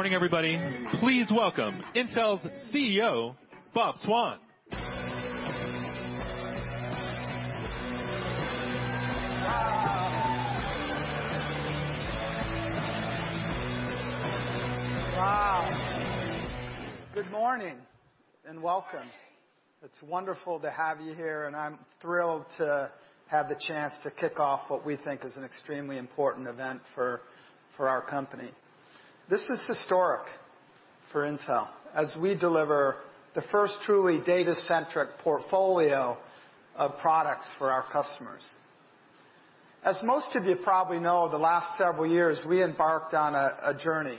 Morning, everybody. Please welcome Intel's CEO, Bob Swan. Wow. Good morning, and welcome. It's wonderful to have you here, and I'm thrilled to have the chance to kick off what we think is an extremely important event for our company. This is historic for Intel as we deliver the first truly data-centric portfolio of products for our customers. As most of you probably know, the last several years, we embarked on a journey.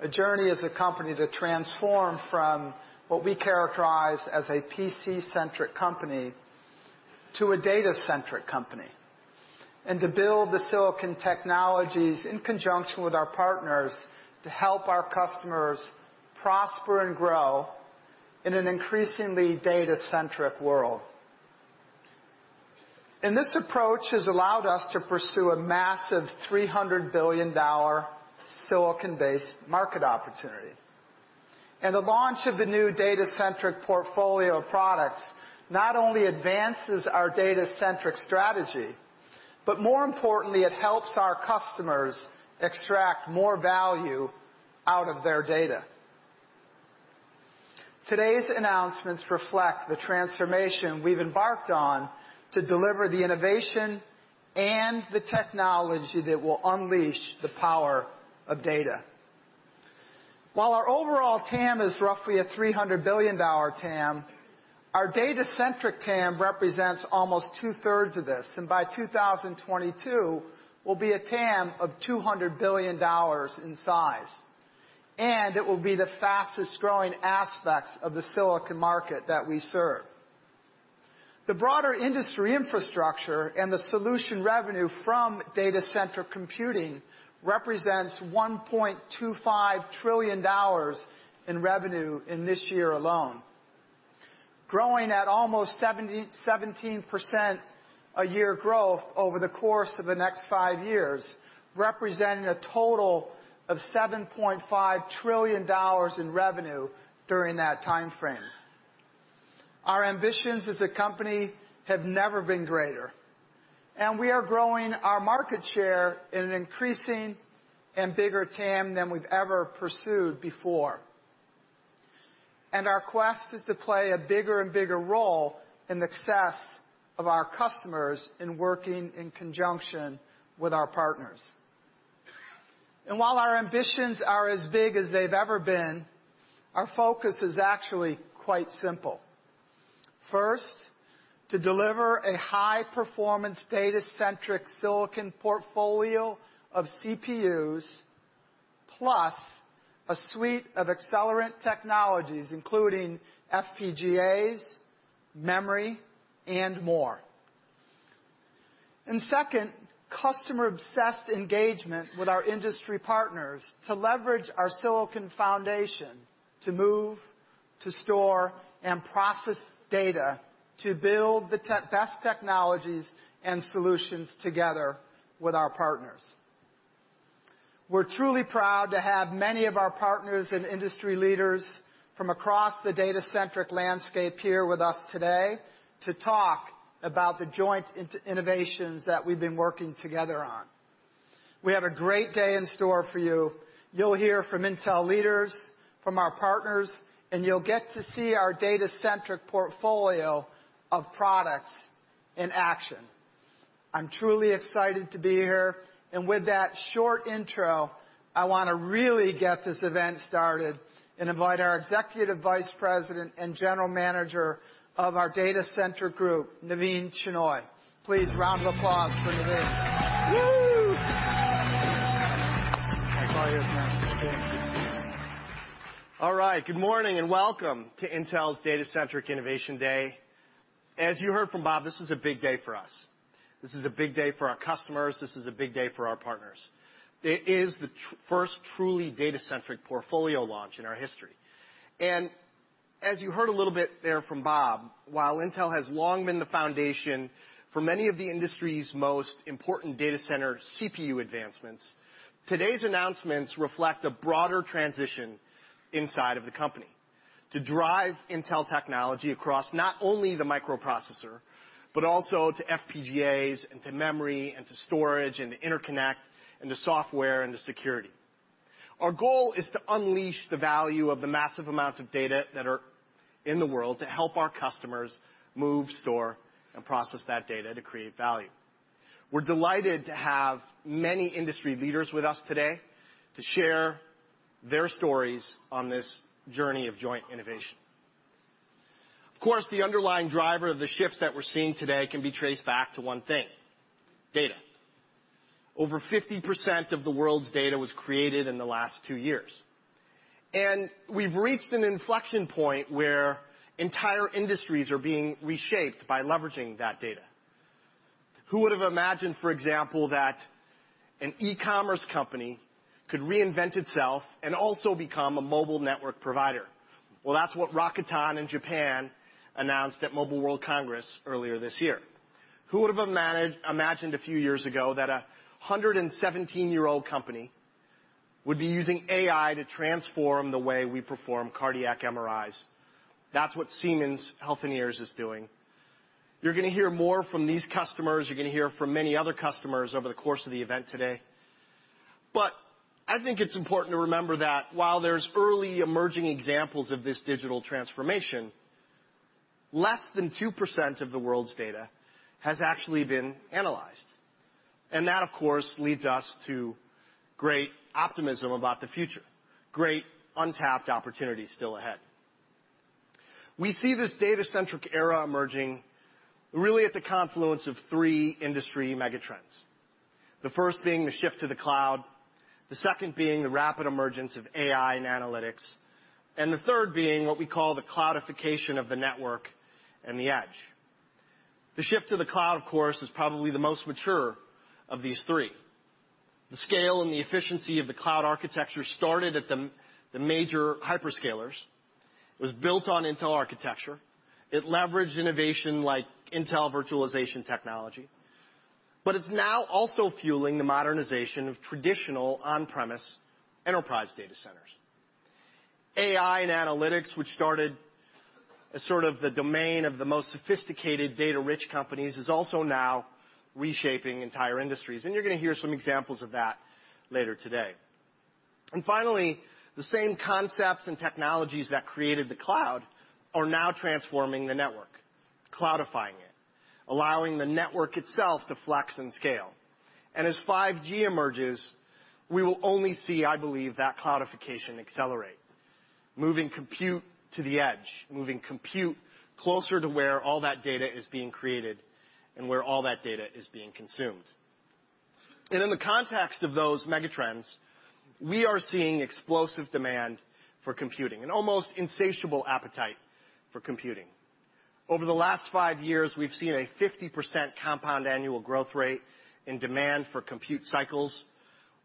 A journey as a company to transform from what we characterize as a PC-centric company to a data-centric company, and to build the silicon technologies in conjunction with our partners to help our customers prosper and grow in an increasingly data-centric world. This approach has allowed us to pursue a massive $300 billion silicon-based market opportunity. The launch of the new data-centric portfolio of products not only advances our data-centric strategy, but more importantly, it helps our customers extract more value out of their data. Today's announcements reflect the transformation we've embarked on to deliver the innovation and the technology that will unleash the power of data. While our overall TAM is roughly a $300 billion TAM, our data-centric TAM represents almost two-thirds of this, and by 2022 will be a TAM of $200 billion in size, and it will be the fastest-growing aspects of the silicon market that we serve. The broader industry infrastructure and the solution revenue from data center computing represents $1.25 trillion in revenue in this year alone, growing at almost 17% a year growth over the course of the next five years, representing a total of $7.5 trillion in revenue during that timeframe. Our ambitions as a company have never been greater, we are growing our market share in an increasing and bigger TAM than we've ever pursued before. Our quest is to play a bigger and bigger role in the success of our customers in working in conjunction with our partners. While our ambitions are as big as they've ever been, our focus is actually quite simple. First, to deliver a high-performance data-centric silicon portfolio of CPUs, plus a suite of accelerant technologies, including FPGAs, memory, and more. Second, customer-obsessed engagement with our industry partners to leverage our silicon foundation to move, to store, and process data to build the best technologies and solutions together with our partners. We're truly proud to have many of our partners and industry leaders from across the data-centric landscape here with us today to talk about the joint innovations that we've been working together on. We have a great day in store for you. You'll hear from Intel leaders, from our partners, and you'll get to see our data-centric portfolio of products in action. I'm truly excited to be here. With that short intro, I wanna really get this event started and invite our Executive Vice President and General Manager of our Data Center Group, Navin Shenoy. Please, round of applause for Navin. Woo. Nice to have you here, man. Yeah. All right, good morning, welcome to Intel's Data-Centric Innovation Day. As you heard from Bob, this is a big day for us. This is a big day for our customers. This is a big day for our partners. It is the first truly data-centric portfolio launch in our history. As you heard a little bit there from Bob, while Intel has long been the foundation for many of the industry's most important data center CPU advancements, today's announcements reflect a broader transition inside of the company to drive Intel technology across not only the microprocessor, but also to FPGAs and to memory and to storage and to interconnect and to software and to security. Our goal is to unleash the value of the massive amounts of data that are in the world to help our customers move, store, and process that data to create value. We're delighted to have many industry leaders with us today to share their stories on this journey of joint innovation. Of course, the underlying driver of the shifts that we're seeing today can be traced back to one thing: data. Over 50% of the world's data was created in the last two years. We've reached an inflection point where entire industries are being reshaped by leveraging that data. Who would have imagined, for example, that an e-commerce company could reinvent itself and also become a mobile network provider? Well, that's what Rakuten in Japan announced at Mobile World Congress earlier this year. Who would have imagined a few years ago that a 117-year-old company would be using AI to transform the way we perform cardiac MRIs? That's what Siemens Healthineers is doing. You're gonna hear more from these customers, you're gonna hear from many other customers over the course of the event today. I think it's important to remember that while there's early emerging examples of this digital transformation, less than 2% of the world's data has actually been analyzed. That, of course, leads us to great optimism about the future, great untapped opportunities still ahead. We see this data-centric era emerging really at the confluence of three industry mega trends. The first being the shift to the cloud, the second being the rapid emergence of AI and analytics, and the third being what we call the cloudification of the network and the edge. The shift to the cloud, of course, is probably the most mature of these three. The scale and the efficiency of the cloud architecture started at the major hyperscalers. It was built on Intel architecture. It leveraged innovation like Intel Virtualization Technology, but it's now also fueling the modernization of traditional on-premise enterprise data centers. AI and analytics, which started as sort of the domain of the most sophisticated data-rich companies, is also now reshaping entire industries. You're gonna hear some examples of that later today. Finally, the same concepts and technologies that created the cloud are now transforming the network, cloudifying it, allowing the network itself to flex and scale. As 5G emerges, we will only see, I believe, that cloudification accelerate, moving compute to the edge, moving compute closer to where all that data is being created and where all that data is being consumed. In the context of those mega trends, we are seeing explosive demand for computing, an almost insatiable appetite for computing. Over the last five years, we've seen a 50% compound annual growth rate in demand for compute cycles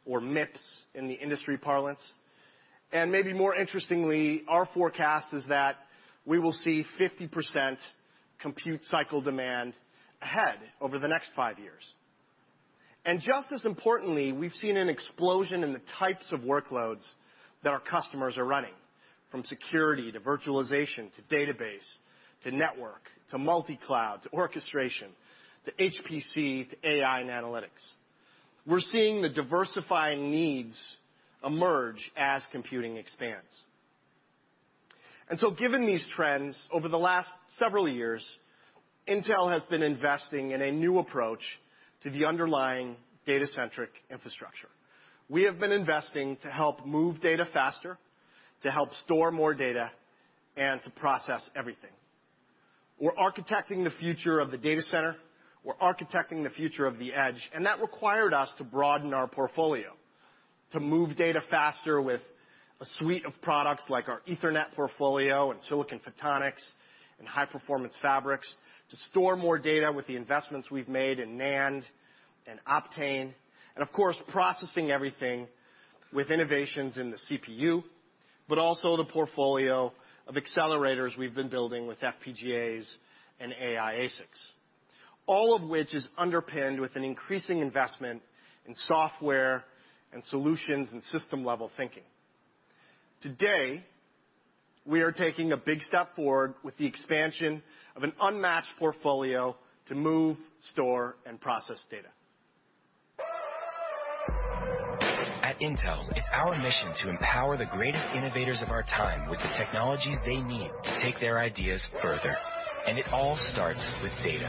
or MIPS in the industry parlance. Maybe more interestingly, our forecast is that we will see 50% compute cycle demand ahead over the next five years. Just as importantly, we've seen an explosion in the types of workloads that our customers are running from security to virtualization, to database, to network, to multi-cloud, to orchestration, to HPC, to AI and analytics. We're seeing the diversifying needs emerge as computing expands. Given these trends over the last several years, Intel has been investing in a new approach to the underlying data-centric infrastructure. We have been investing to help move data faster, to help store more data, and to process everything. We're architecting the future of the data center. We're architecting the future of the edge. That required us to broaden our portfolio to move data faster with a suite of products like our Ethernet portfolio and silicon photonics and high-performance fabrics, to store more data with the investments we've made in NAND and Optane, and of course, processing everything with innovations in the CPU, but also the portfolio of accelerators we've been building with FPGAs and AI ASICs. All of which is underpinned with an increasing investment in software and solutions and system-level thinking. Today, we are taking a big step forward with the expansion of an unmatched portfolio to move, store, and process data. At Intel, it's our mission to empower the greatest innovators of our time with the technologies they need to take their ideas further. It all starts with data.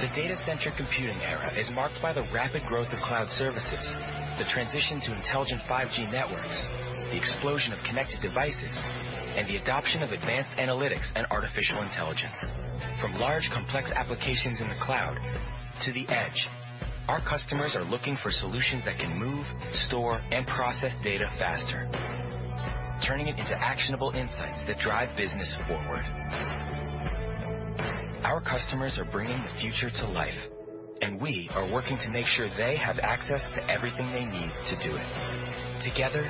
The data centric computing era is marked by the rapid growth of cloud services, the transition to intelligent 5G networks, the explosion of connected devices, and the adoption of advanced analytics and artificial intelligence. From large, complex applications in the cloud to the edge, our customers are looking for solutions that can move, store, and process data faster, turning it into actionable insights that drive business forward. Our customers are bringing the future to life. We are working to make sure they have access to everything they need to do it. Together,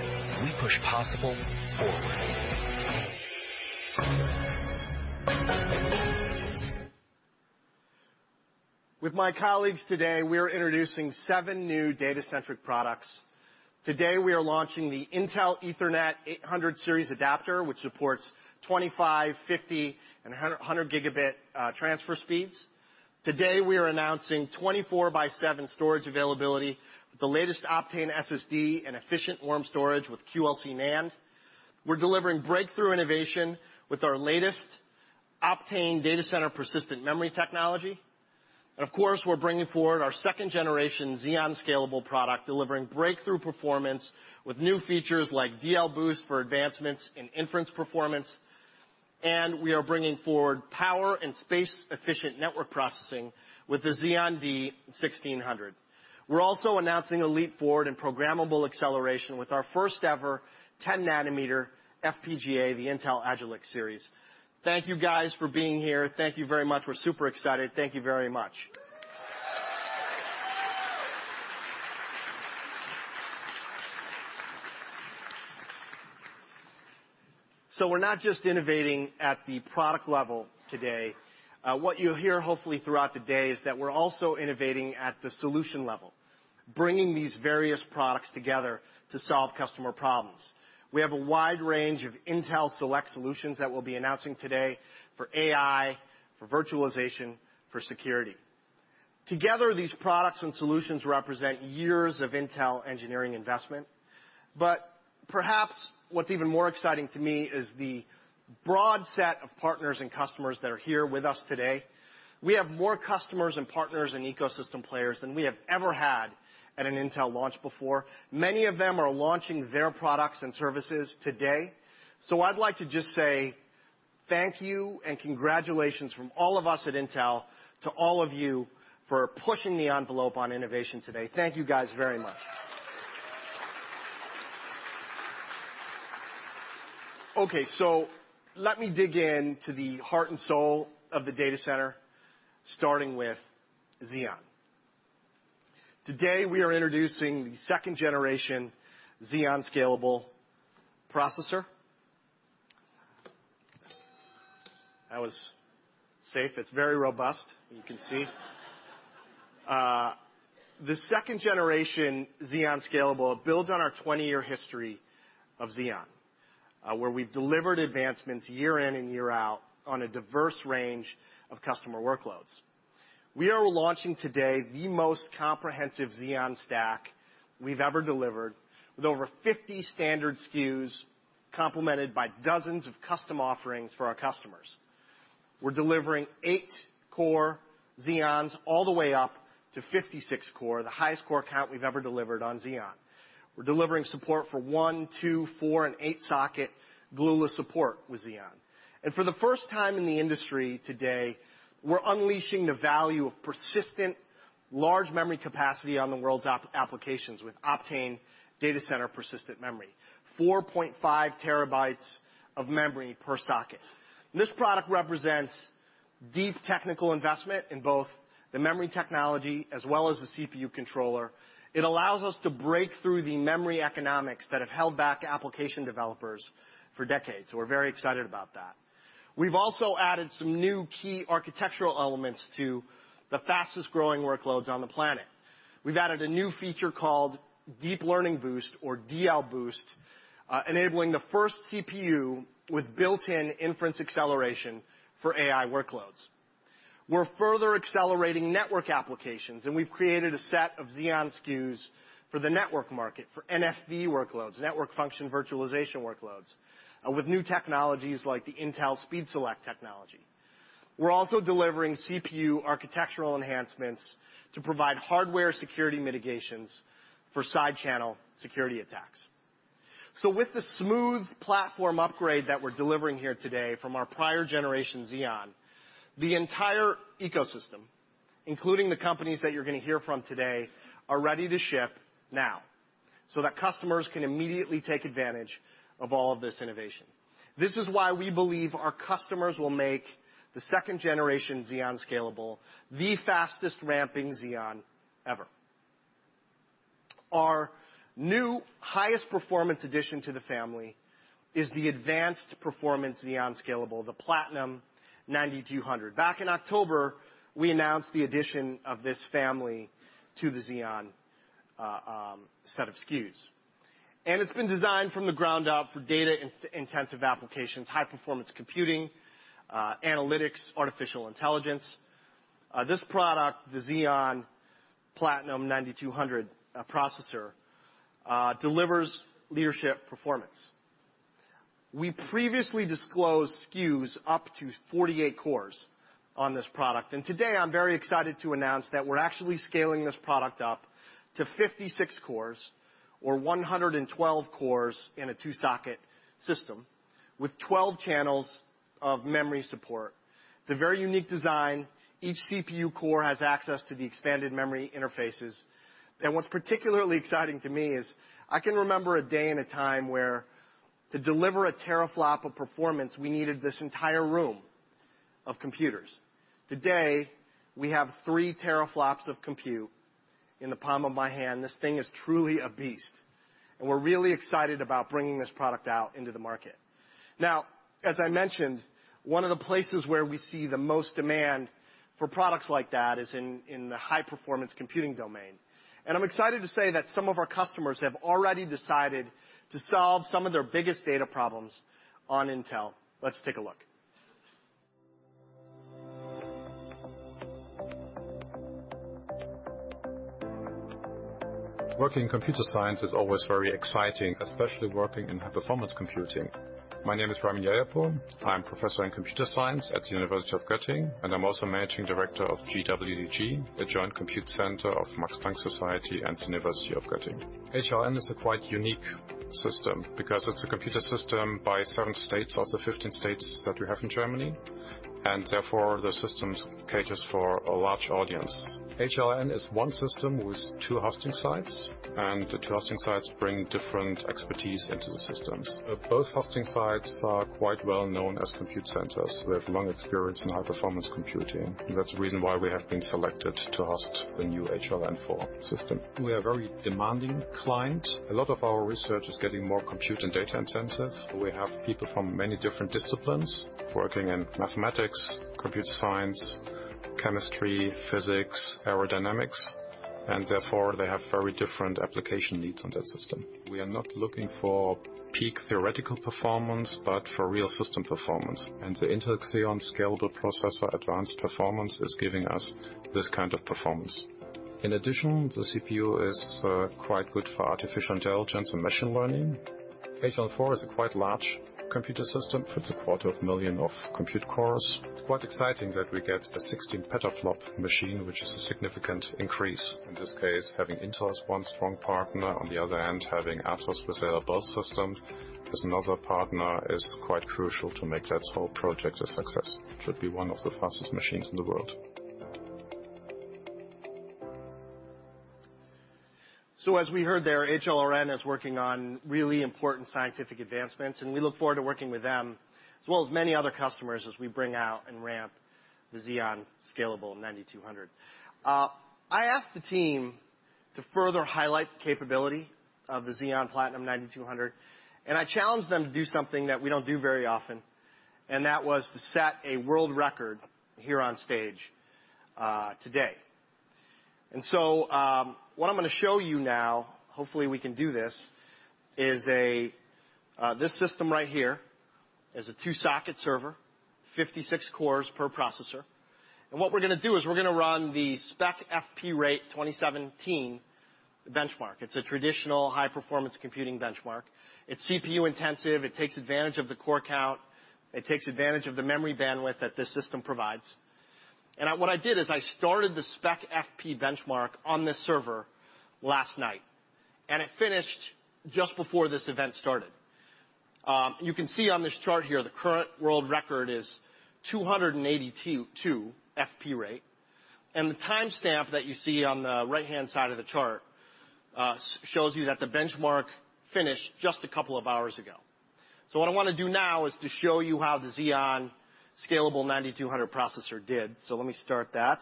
we push possible forward. With my colleagues today, we are introducing seven new data-centric products. Today, we are launching the Intel Ethernet 800 Series adapter, which supports 25, 50, and 100 Gb transfer speeds. Today, we are announcing 24 by 7 storage availability with the latest Optane SSD and efficient warm storage with QLC NAND. We're delivering breakthrough innovation with our latest Optane DC Persistent Memory technology. Of course, we're bringing forward our second generation Xeon Scalable product, delivering breakthrough performance with new features like DL Boost for advancements in inference performance. We are bringing forward power and space-efficient network processing with the Xeon D-1600. We're also announcing a leap forward in programmable acceleration with our first ever 10 nm FPGA, the Intel Agilex series. Thank you guys for being here. Thank you very much. We're super excited. Thank you very much. We're not just innovating at the product level today. What you'll hear, hopefully, throughout the day is that we're also innovating at the solution level, bringing these various products together to solve customer problems. We have a wide range of Intel Select Solutions that we'll be announcing today for AI, for virtualization, for security. Together, these products and solutions represent years of Intel engineering investment. Perhaps what's even more exciting to me is the broad set of partners and customers that are here with us today. We have more customers and partners and ecosystem players than we have ever had at an Intel launch before. Many of them are launching their products and services today. I'd like to just say thank you and congratulations from all of us at Intel to all of you for pushing the envelope on innovation today. Thank you guys very much. Okay, let me dig into the heart and soul of the data center, starting with Xeon. Today, we are introducing the 2nd-generation Xeon Scalable processor. That was safe. It's very robust, you can see. The 2nd-generation Xeon Scalable builds on our 20-year history of Xeon, where we've delivered advancements year in and year out on a diverse range of customer workloads. We are launching today the most comprehensive Xeon stack we've ever delivered with over 50 standard SKUs, complemented by dozens of custom offerings for our customers. We're delivering 8 core Xeons all the way up to 56 core, the highest core count we've ever delivered on Xeon. We're delivering support for 1, 2, 4, and 8 socket glueless support with Xeon. For the 1st time in the industry today, we're unleashing the value of persistent large memory capacity on the world's app-applications with Optane Data Center Persistent Memory, 4.5 TB of memory per socket. This product represents deep technical investment in both the memory technology as well as the CPU controller. It allows us to break through the memory economics that have held back application developers for decades, we're very excited about that. We've also added some new key architectural elements to the fastest-growing workloads on the planet. We've added a new feature called Deep Learning Boost or DL Boost, enabling the 1st CPU with built-in inference acceleration for AI workloads. We're further accelerating network applications, we've created a set of Xeon SKUs for the network market, for NFV workloads, Network Function Virtualization workloads, with new technologies like the Intel Speed Select Technology. We're also delivering CPU architectural enhancements to provide hardware security mitigations for side channel security attacks. With the smooth platform upgrade that we're delivering here today from our prior generation Xeon, the entire ecosystem, including the companies that you're gonna hear from today, are ready to ship now so that customers can immediately take advantage of all of this innovation. This is why we believe our customers will make the 2nd generation Xeon Scalable the fastest ramping Xeon ever. Our new highest performance addition to the family is the advanced performance Xeon Scalable, the Xeon Platinum 9200. Back in October, we announced the addition of this family to the Xeon set of SKUs. It's been designed from the ground up for data intensive applications, high-performance computing, analytics, artificial intelligence. This product, the Xeon Platinum 9200 processor, delivers leadership performance. We previously disclosed SKUs up to 48 cores on this product, and today I'm very excited to announce that we're actually scaling this product up to 56 cores or 112 cores in a two-socket system with 12 channels of memory support. It's a very unique design. Each CPU core has access to the expanded memory interfaces. What's particularly exciting to me is I can remember a day and a time where to deliver a teraflop of performance, we needed this entire room of computers. Today, we have 3 teraflops of compute in the palm of my hand. This thing is truly a beast, and we're really excited about bringing this product out into the market. Now, as I mentioned, one of the places where we see the most demand for products like that is in the high-performance computing domain. I'm excited to say that some of our customers have already decided to solve some of their biggest data problems on Intel. Let's take a look. Working in computer science is always very exciting, especially working in high performance computing. My name is Raimund Seidel. I'm professor in computer science at the University of Göttingen, and I'm also managing director of GWDG, a joint compute center of Max Planck Society and University of Göttingen. HLRN is a quite unique system because it's a computer system by 7 states, also 15 states that we have in Germany, and therefore the systems caters for a large audience. HLRN is 1 system with 2 hosting sites, and the 2 hosting sites bring different expertise into the systems. Both hosting sites are quite well known as compute centers with long experience in high performance computing. That's the reason why we have been selected to host the new HLRN-IV system. We are a very demanding client. A lot of our research is getting more compute and data intensive. We have people from many different disciplines working in mathematics, computer science, chemistry, physics, aerodynamics, and therefore, they have very different application needs on that system. We are not looking for peak theoretical performance, but for real system performance. The Intel Xeon Scalable processor advanced performance is giving us this kind of performance. In addition, the CPU is quite good for artificial intelligence and machine learning. HLRN-IV is a quite large computer system. It's a quarter of million of compute cores. It's quite exciting that we get a 16 petaflop machine, which is a significant increase. In this case, having Intel as one strong partner, on the other hand, having Atos BullSequana as another partner is quite crucial to make that whole project a success. Should be one of the fastest machines in the world. As we heard there, HLRN is working on really important scientific advancements, and we look forward to working with them as well as many other customers as we bring out and ramp the Xeon Scalable 9200. I asked the team to further highlight the capability of the Xeon Platinum 9200, and I challenged them to do something that we don't do very often, and that was to set a world record here on stage today. What I'm gonna show you now, hopefully we can do this, is a, this system right here is a 2-socket server, 56 cores per processor. What we're gonna do is we're gonna run the SPECfp rate benchmark. It's a traditional high-performance computing benchmark. It's CPU intensive. It takes advantage of the core count. It takes advantage of the memory bandwidth that this system provides. What I did is I started the SPECfp benchmark on this server last night, and it finished just before this event started. You can see on this chart here, the current world record is 282 fp rate. The timestamp that you see on the right-hand side of the chart, shows you that the benchmark finished just a couple of hours ago. What I wanna do now is to show you how the Xeon Platinum 9200 processor did. Let me start that.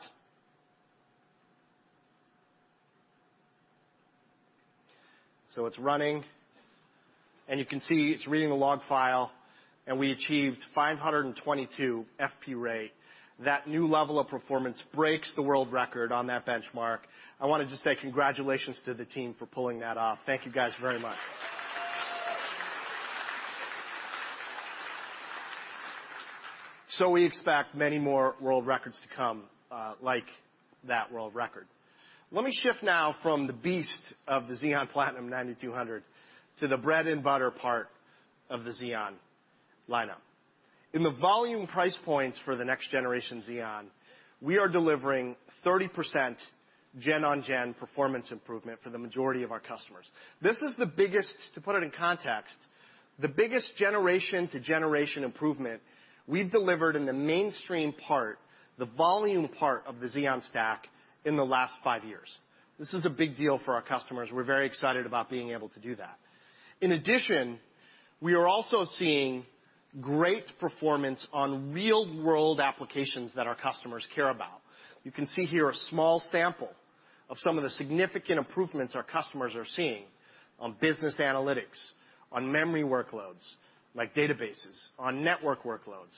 It's running, and you can see it's reading the log file, and we achieved 522 fp rate. That new level of performance breaks the world record on that benchmark. I wanna just say congratulations to the team for pulling that off. Thank you guys very much. We expect many more world records to come, like that world record. Let me shift now from the beast of the Xeon Platinum 9200 to the bread and butter part of the Xeon lineup. In the volume price points for the next generation Xeon, we are delivering 30% gen on gen performance improvement for the majority of our customers. This is the biggest, to put it in context, the biggest generation to generation improvement we've delivered in the mainstream part, the volume part of the Xeon stack in the last five years. This is a big deal for our customers. We're very excited about being able to do that. In addition, we are also seeing great performance on real-world applications that our customers care about. You can see here a small sample of some of the significant improvements our customers are seeing on business analytics, on memory workloads, like databases, on network workloads.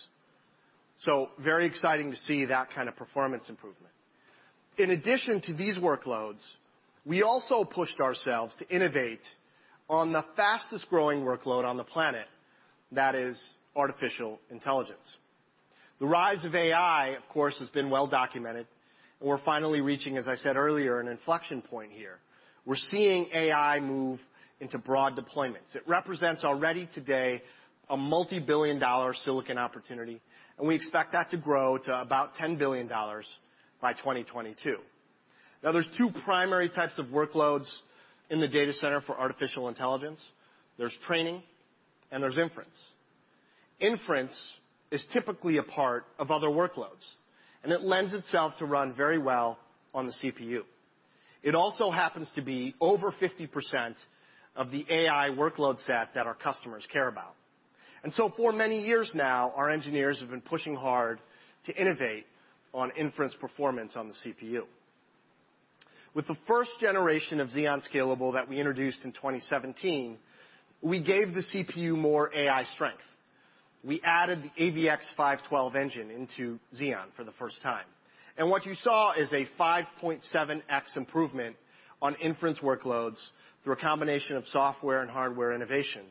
Very exciting to see that kind of performance improvement. In addition to these workloads, we also pushed ourselves to innovate on the fastest-growing workload on the planet. That is artificial intelligence. The rise of AI, of course, has been well documented, and we're finally reaching, as I said earlier, an inflection point here. We're seeing AI move into broad deployments. It represents already today a multi-billion dollar silicon opportunity, and we expect that to grow to about $10 billion by 2022. There's two primary types of workloads in the data center for artificial intelligence. There's training and there's inference. Inference is typically a part of other workloads, and it lends itself to run very well on the CPU. It also happens to be over 50% of the AI workload set that our customers care about. For many years now, our engineers have been pushing hard to innovate on inference performance on the CPU. With the first generation of Xeon Scalable that we introduced in 2017, we gave the CPU more AI strength. We added the AVX-512 engine into Xeon for the first time. What you saw is a 5.7x improvement on inference workloads through a combination of software and hardware innovation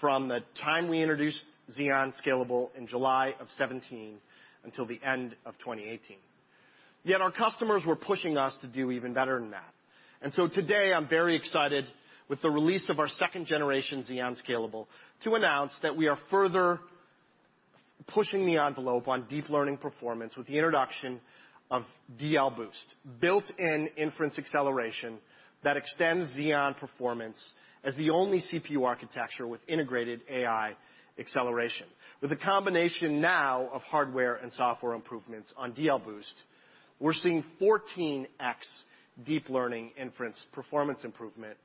from the time we introduced Xeon Scalable in July of 2017 until the end of 2018. Yet our customers were pushing us to do even better than that. Today, I'm very excited with the release of our second generation Xeon Scalable to announce that we are further pushing the envelope on deep learning performance with the introduction of DL Boost, built-in inference acceleration that extends Xeon performance as the only CPU architecture with integrated AI acceleration. With a combination now of hardware and software improvements on DL Boost, we're seeing 14x deep learning inference performance improvement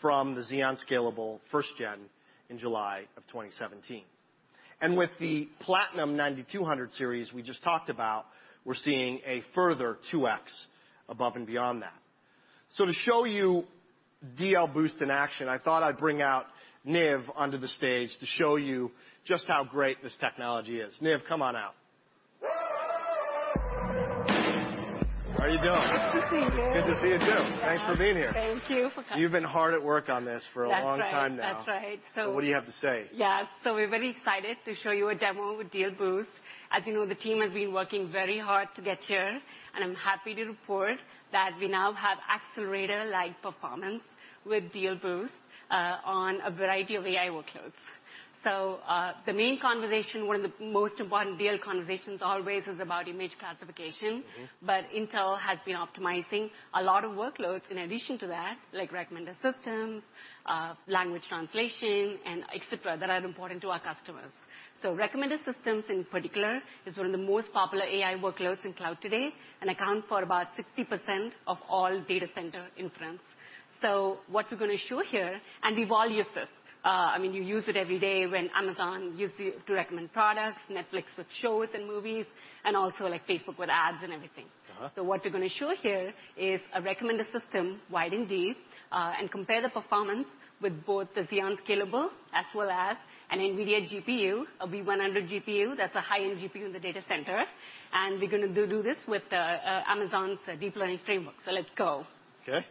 from the Xeon Scalable first gen in July of 2017. With the Platinum 9200 series we just talked about, we're seeing a further 2x above and beyond that. So to show you DL Boost in action, I thought I'd bring out Niv onto the stage to show you just how great this technology is. Niv, come on out. How are you doing? Nice to see you. It's good to see you too. Yeah. Thanks for being here. Thank you for coming. You've been hard at work on this for a long time now. That's right. What do you have to say? Yeah. We're very excited to show you a demo with DL Boost. As you know, the team has been working very hard to get here, and I'm happy to report that we now have accelerator-like performance with DL Boost on a variety of AI workloads. The main conversation, one of the most important DL conversations always is about image classification. Intel has been optimizing a lot of workloads in addition to that, like recommender systems, language translation, and et cetera, that are important to our customers. Recommender systems in particular is one of the most popular AI workloads in cloud today, and account for about 60% of all data center inference. What we're gonna show here, and we've all used this, I mean, you use it every day when Amazon uses it to recommend products, Netflix with shows and movies, and also, like, Facebook with ads and everything. What we're gonna show here is a recommender system, wide and deep, and compare the performance with both the Xeon Scalable as well as an NVIDIA GPU, a V100 GPU that's a high-end GPU in the data center, and we're gonna do this with Amazon's deep learning framework. Let's go. Okay.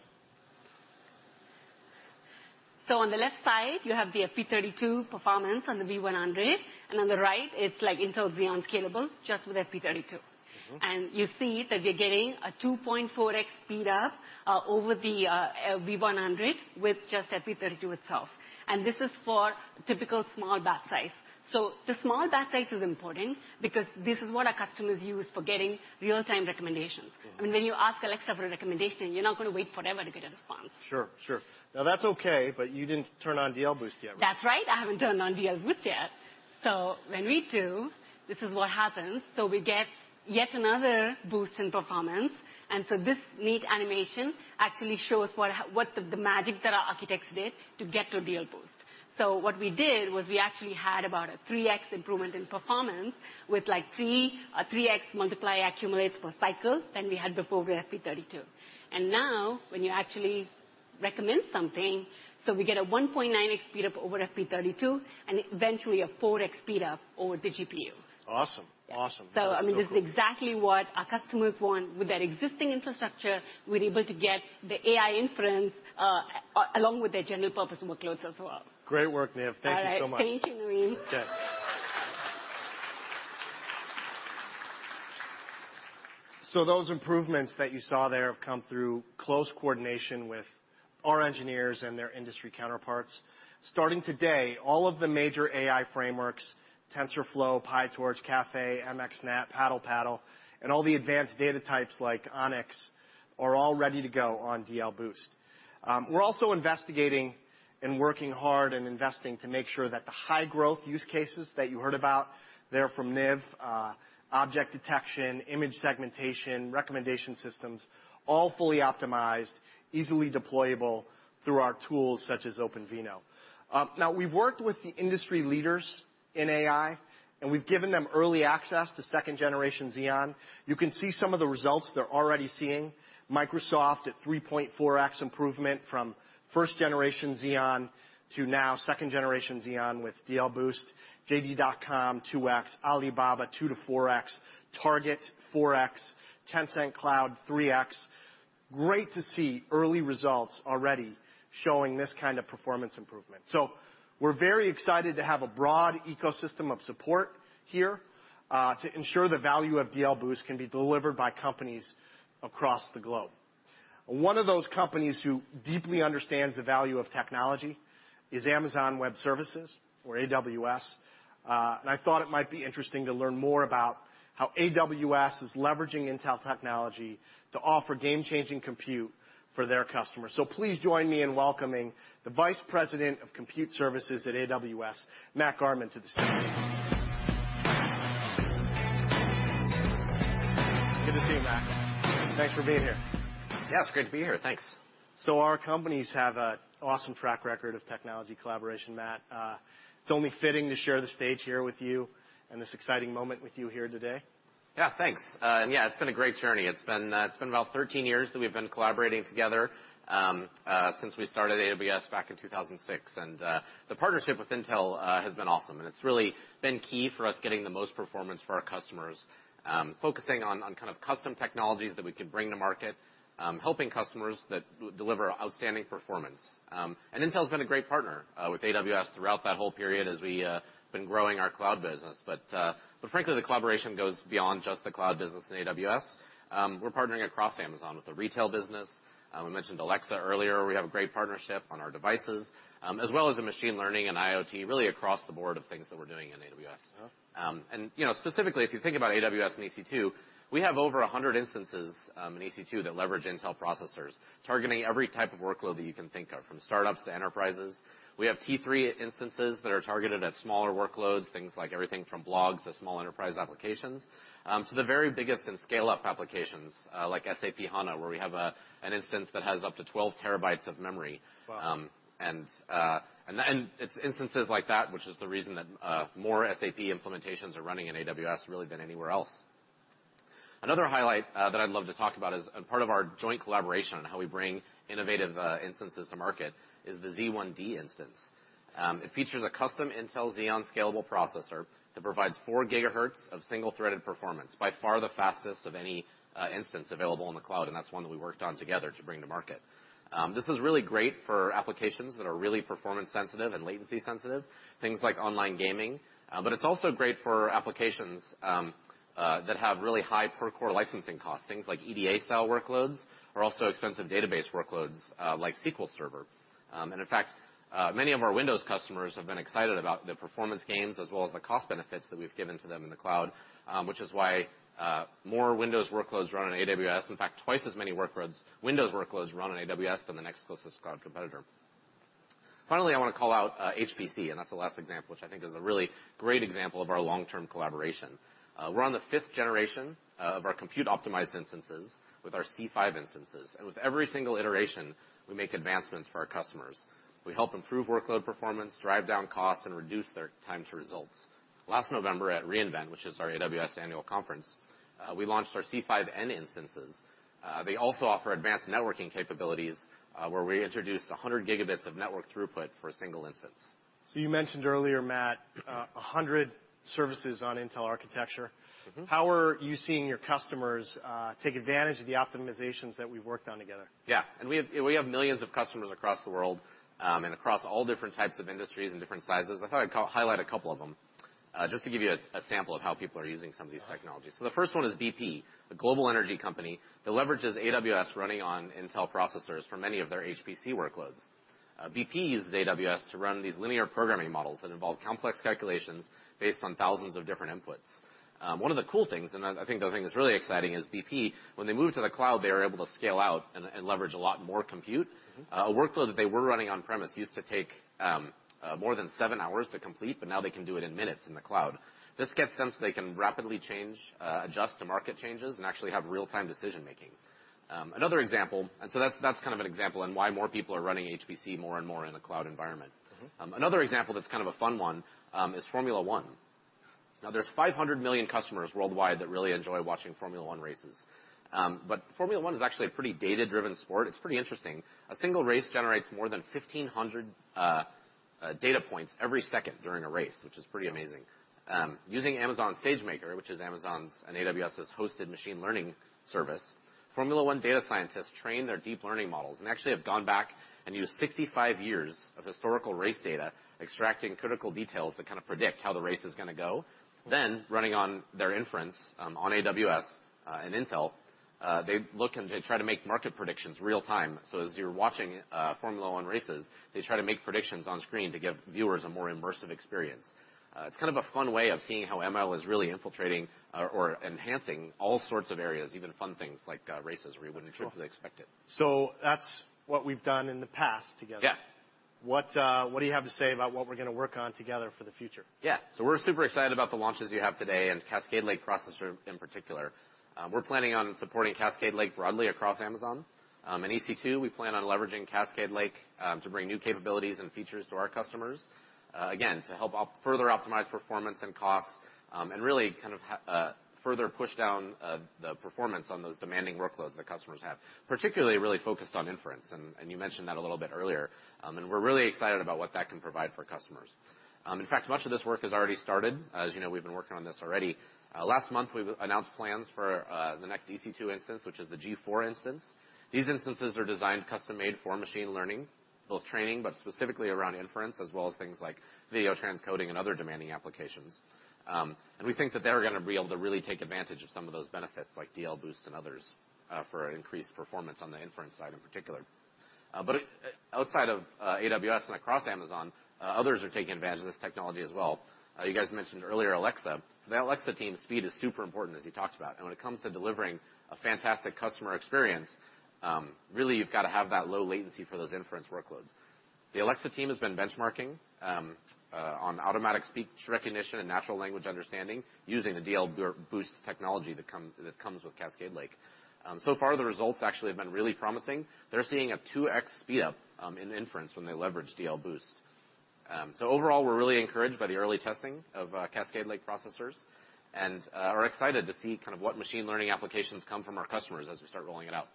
On the left side, you have the FP32 performance on the V100, and on the right it's, like, Intel Xeon Scalable, just with FP32. You see that we're getting a 2.4x speed up over the V100 with just FP32 itself. This is for typical small batch size. The small batch size is important because this is what our customers use for getting real-time recommendations. Okay. I mean, when you ask Alexa for a recommendation, you're not gonna wait forever to get a response. Sure. Sure. Now that's okay, but you didn't turn on DL Boost yet, right? That's right. I haven't turned on DL Boost yet. When we do, this is what happens. We get yet another boost in performance. This neat animation actually shows what the magic that our architects did to get to DL Boost. What we did was we actually had about a 3X improvement in performance with, like, 3, a 3X multiplier accumulates per cycle than we had before with FP32. When you actually recommend something, we get a 1.9X speed up over FP32, and eventually a 4X speed up over the GPU. Awesome. Yeah. Awesome. That's so cool. I mean, this is exactly what our customers want. With their existing infrastructure, we're able to get the AI inference along with their general purpose workloads as well. Great work, Niv. Thank you so much. All right. Thank you, Navin. Those improvements that you saw there have come through close coordination with our engineers and their industry counterparts. Starting today, all of the major AI frameworks, TensorFlow, PyTorch, Caffe, MXNet, PaddlePaddle, and all the advanced data types like ONNX are all ready to go on DL Boost. We're also investigating and working hard and investing to make sure that the high growth use cases that you heard about there from Niv, object detection, image segmentation, recommendation systems, all fully optimized, easily deployable through our tools such as OpenVINO. We've worked with the industry leaders in AI, and we've given them early access to 2nd generation Xeon. You can see some of the results they're already seeing. Microsoft at 3.4x improvement from 1st generation Xeon to now 2nd generation Xeon with DL Boost. JD.com, 2x. Alibaba, 2x-4x. Target, 4x. Tencent Cloud, 3x. Great to see early results already showing this kind of performance improvement. We're very excited to have a broad ecosystem of support here to ensure the value of DL Boost can be delivered by companies across the globe. One of those companies who deeply understands the value of technology is Amazon Web Services, or AWS, and I thought it might be interesting to learn more about how AWS is leveraging Intel technology to offer game-changing compute for their customers. Please join me in welcoming the Vice President of Compute Services at AWS, Matt Garman, to the stage. Good to see you, Matt. Thanks for being here. Yeah, it's great to be here. Thanks. Our companies have a awesome track record of technology collaboration, Matt. It's only fitting to share the stage here with you and this exciting moment with you here today. Yeah, thanks. Yeah, it's been a great journey. It's been, it's been about 13 years that we've been collaborating together since we started AWS back in 2006. The partnership with Intel has been awesome, and it's really been key for us getting the most performance for our customers, focusing on kind of custom technologies that we could bring to market, helping customers that deliver outstanding performance. Intel's been a great partner with AWS throughout that whole period as we have been growing our cloud business. Frankly, the collaboration goes beyond just the cloud business in AWS. we're partnering across Amazon with the retail business, we mentioned Alexa earlier, we have a great partnership on our devices, as well as the machine learning and IoT, really across the board of things that we're doing in AWS. Yeah. You know, specifically, if you think about AWS and EC2, we have over 100 instances, in EC2 that leverage Intel processors, targeting every type of workload that you can think of, from startups to enterprises. We have T3 instances that are targeted at smaller workloads, things like everything from blogs to small enterprise applications, to the very biggest in scale-up applications, like SAP HANA, where we have an instance that has up to 12 TB of memory. Wow. It's instances like that which is the reason that more SAP implementations are running in AWS really than anywhere else. Another highlight that I'd love to talk about is a part of our joint collaboration on how we bring innovative instances to market, is the z1d instance. It features a custom Intel Xeon Scalable processor that provides 4 GHz of single-threaded performance, by far the fastest of any instance available in the cloud, and that's one that we worked on together to bring to market. This is really great for applications that are really performance sensitive and latency sensitive, things like online gaming, but it's also great for applications that have really high per-core licensing costs, things like EDA-style workloads or also expensive database workloads, like SQL Server. In fact, many of our Windows customers have been excited about the performance gains as well as the cost benefits that we've given to them in the cloud, which is why more Windows workloads run on AWS, in fact, twice as many Windows workloads run on AWS than the next closest cloud competitor. Finally, I wanna call out HPC, that's the last example, which I think is a really great example of our long-term collaboration. We're on the fifth generation of our compute optimized instances with our C5 instances. With every single iteration, we make advancements for our customers. We help improve workload performance, drive down costs, and reduce their time to results. Last November at re:Invent, which is our AWS annual conference, we launched our C5n instances. They also offer advanced networking capabilities, where we introduced 100 Gbs of network throughput for a single instance. You mentioned earlier, Matt, 100 services on Intel architecture. How are you seeing your customers take advantage of the optimizations that we've worked on together? Yeah. We have millions of customers across the world, across all different types of industries and different sizes. I thought I'd highlight a couple of them, just to give you a sample of how people are using some of these technologies. The first one is BP, a global energy company that leverages AWS running on Intel processors for many of their HPC workloads. BP uses AWS to run these linear programming models that involve complex calculations based on 1,000s of different inputs. One of the cool things, I think the thing that's really exciting, is BP, when they moved to the cloud, they were able to scale out and leverage a lot more compute. A workload that they were running on-premises used to take more than seven hours to complete. Now they can do it in minutes in the cloud. This gets them so they can rapidly change, adjust to market changes, and actually have real-time decision-making. Another example. That's kind of an example on why more people are running HPC more and more in the cloud environment. Another example that's kind of a fun one is Formula One. There's 500 million customers worldwide that really enjoy watching Formula One races. Formula One is actually a pretty data-driven sport. It's pretty interesting. A single race generates more than 1,500 data points every second during a race, which is pretty amazing. Using Amazon SageMaker, which is Amazon's and AWS's hosted machine learning service, Formula One data scientists train their deep learning models and actually have gone back and used 65 years of historical race data, extracting critical details that kind of predict how the race is gonna go. Running on their inference on AWS and Intel, they look and they try to make market predictions real time. As you're watching Formula One races, they try to make predictions on screen to give viewers a more immersive experience. It's kind of a fun way of seeing how ML is really infiltrating or enhancing all sorts of areas, even fun things like races where you wouldn't truly expect it. That's cool. That's what we've done in the past together. Yeah. What, what do you have to say about what we're gonna work on together for the future? Yeah. We're super excited about the launches you have today, and Cascade Lake processor in particular. We're planning on supporting Cascade Lake broadly across Amazon. In EC2, we plan on leveraging Cascade Lake to bring new capabilities and features to our customers, again, to help further optimize performance and costs, and really kind of further push down the performance on those demanding workloads that customers have, particularly really focused on inference, and you mentioned that a little bit earlier. We're really excited about what that can provide for customers. In fact, much of this work has already started. As you know, we've been working on this already. Last month, we announced plans for the next EC2 instance, which is the G4 instance. These instances are designed custom-made for machine learning, both training, but specifically around inference, as well as things like video transcoding and other demanding applications. We think that they're gonna be able to really take advantage of some of those benefits, like DL Boost and others, for increased performance on the inference side in particular. Outside of AWS and across Amazon, others are taking advantage of this technology as well. You guys mentioned earlier Alexa. For the Alexa team, speed is super important, as you talked about. When it comes to delivering a fantastic customer experience, really you've gotta have that low latency for those inference workloads. The Alexa team has been benchmarking on automatic speech recognition and natural language understanding using the DL Boost technology that comes with Cascade Lake. So far, the results actually have been really promising. They're seeing a 2x speed up in inference when they leverage DL Boost. Overall, we're really encouraged by the early testing of Cascade Lake processors and are excited to see kind of what machine learning applications come from our customers as we start rolling it out.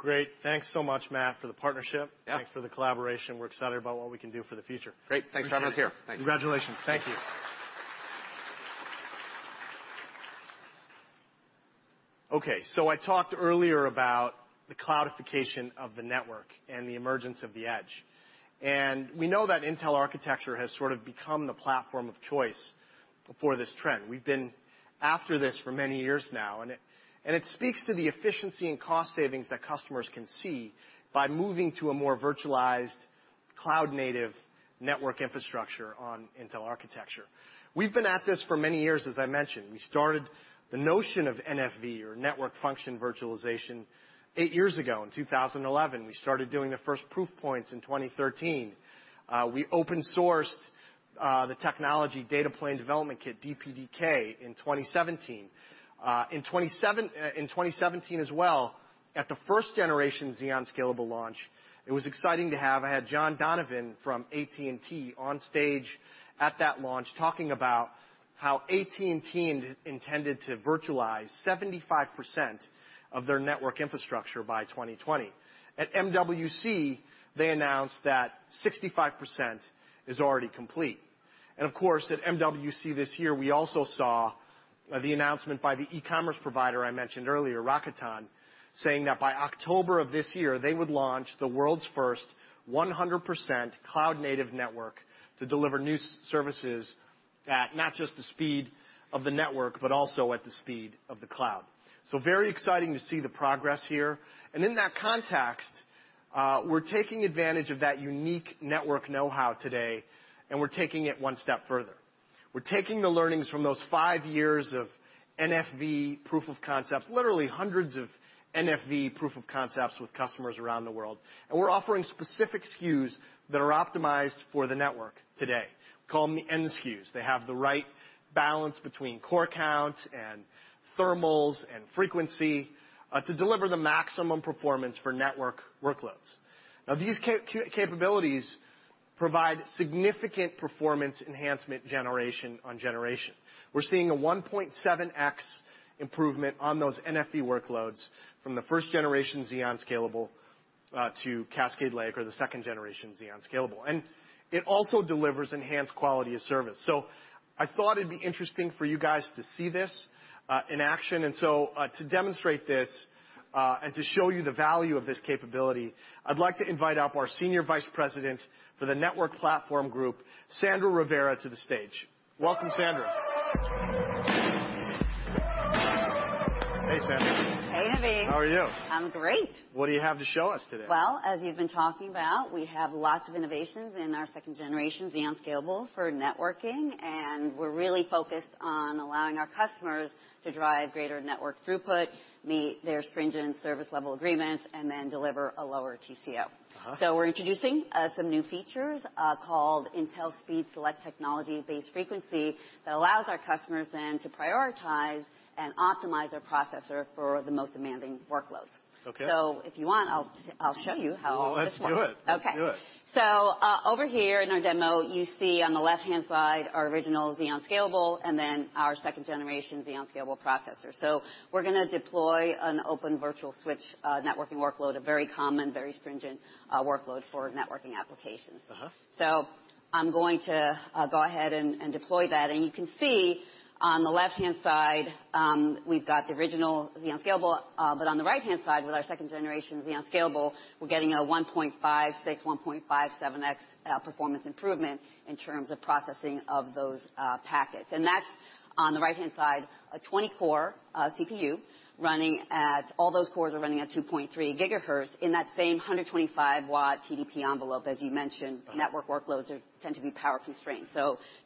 Great. Thanks so much, Matt, for the partnership. Yeah. Thanks for the collaboration. We're excited about what we can do for the future. Great. Thanks for having us here. Thanks. Congratulations. Thank you. I talked earlier about the cloudification of the network and the emergence of the edge. We know that Intel architecture has sort of become the platform of choice for this trend. We've been after this for many years now, and it speaks to the efficiency and cost savings that customers can see by moving to a more virtualized cloud-native network infrastructure on Intel architecture. We've been at this for many years, as I mentioned. We started the notion of NFV or network function virtualization eight years ago in 2011. We started doing the first proof points in 2013. We open sourced the technology Data Plane Development Kit, DPDK, in 2017. In 2017 as well, at the first generation Xeon Scalable launch, I had John Donovan from AT&T on stage at that launch talking about how AT&T intended to virtualize 75% of their network infrastructure by 2020. At MWC, they announced that 65% is already complete. Of course, at MWC this year, we also saw the announcement by the e-commerce provider I mentioned earlier, Rakuten, saying that by October of this year, they would launch the world's first 100% cloud-native network to deliver new services at not just the speed of the network, but also at the speed of the cloud. Very exciting to see the progress here. In that context, we're taking advantage of that unique network know-how today, and we're taking it one step further. We're taking the learnings from those five years of NFV proof of concepts, literally hundreds of NFV proof of concepts with customers around the world, and we're offering specific SKUs that are optimized for the network today. We call them the N-SKUs. They have the right balance between core count and thermals and frequency to deliver the maximum performance for network workloads. These capabilities provide significant performance enhancement generation on generation. We're seeing a 1.7x improvement on those NFV workloads from the 1st generation Xeon Scalable to Cascade Lake or the 2nd generation Xeon Scalable. It also delivers enhanced quality of service. I thought it'd be interesting for you guys to see this in action. To demonstrate this, and to show you the value of this capability, I'd like to invite up our Senior Vice President for the Network Platform Group, Sandra Rivera, to the stage. Welcome, Sandra. Hey, Sandra. Hey, Navin. How are you? I'm great. What do you have to show us today? Well, as you've been talking about, we have lots of innovations in our second generation Xeon Scalable for networking, and we're really focused on allowing our customers to drive greater network throughput, meet their stringent service level agreements, and then deliver a lower TCO. We're introducing some new features called Intel Speed Select Technology-Base Frequency that allows our customers then to prioritize and optimize their processor for the most demanding workloads. Okay. If you want, I'll show you how this works. Well, let's do it. Okay. Let's do it. Over here in our demo, you see on the left-hand side our original Xeon Scalable and then our second generation Xeon Scalable processor. We're gonna deploy an Open vSwitch networking workload, a very common, very stringent workload for networking applications. I'm going to go ahead and deploy that. You can see on the left-hand side, we've got the original Xeon Scalable, but on the right-hand side with our second generation Xeon Scalable, we're getting a 1.56, 1.57x performance improvement in terms of processing of those packets. That's on the right-hand side, a 20-core CPU, all those cores are running at 2.3 GHz in that same 125 W TDP envelope. As you mentioned. network workloads tend to be power constrained.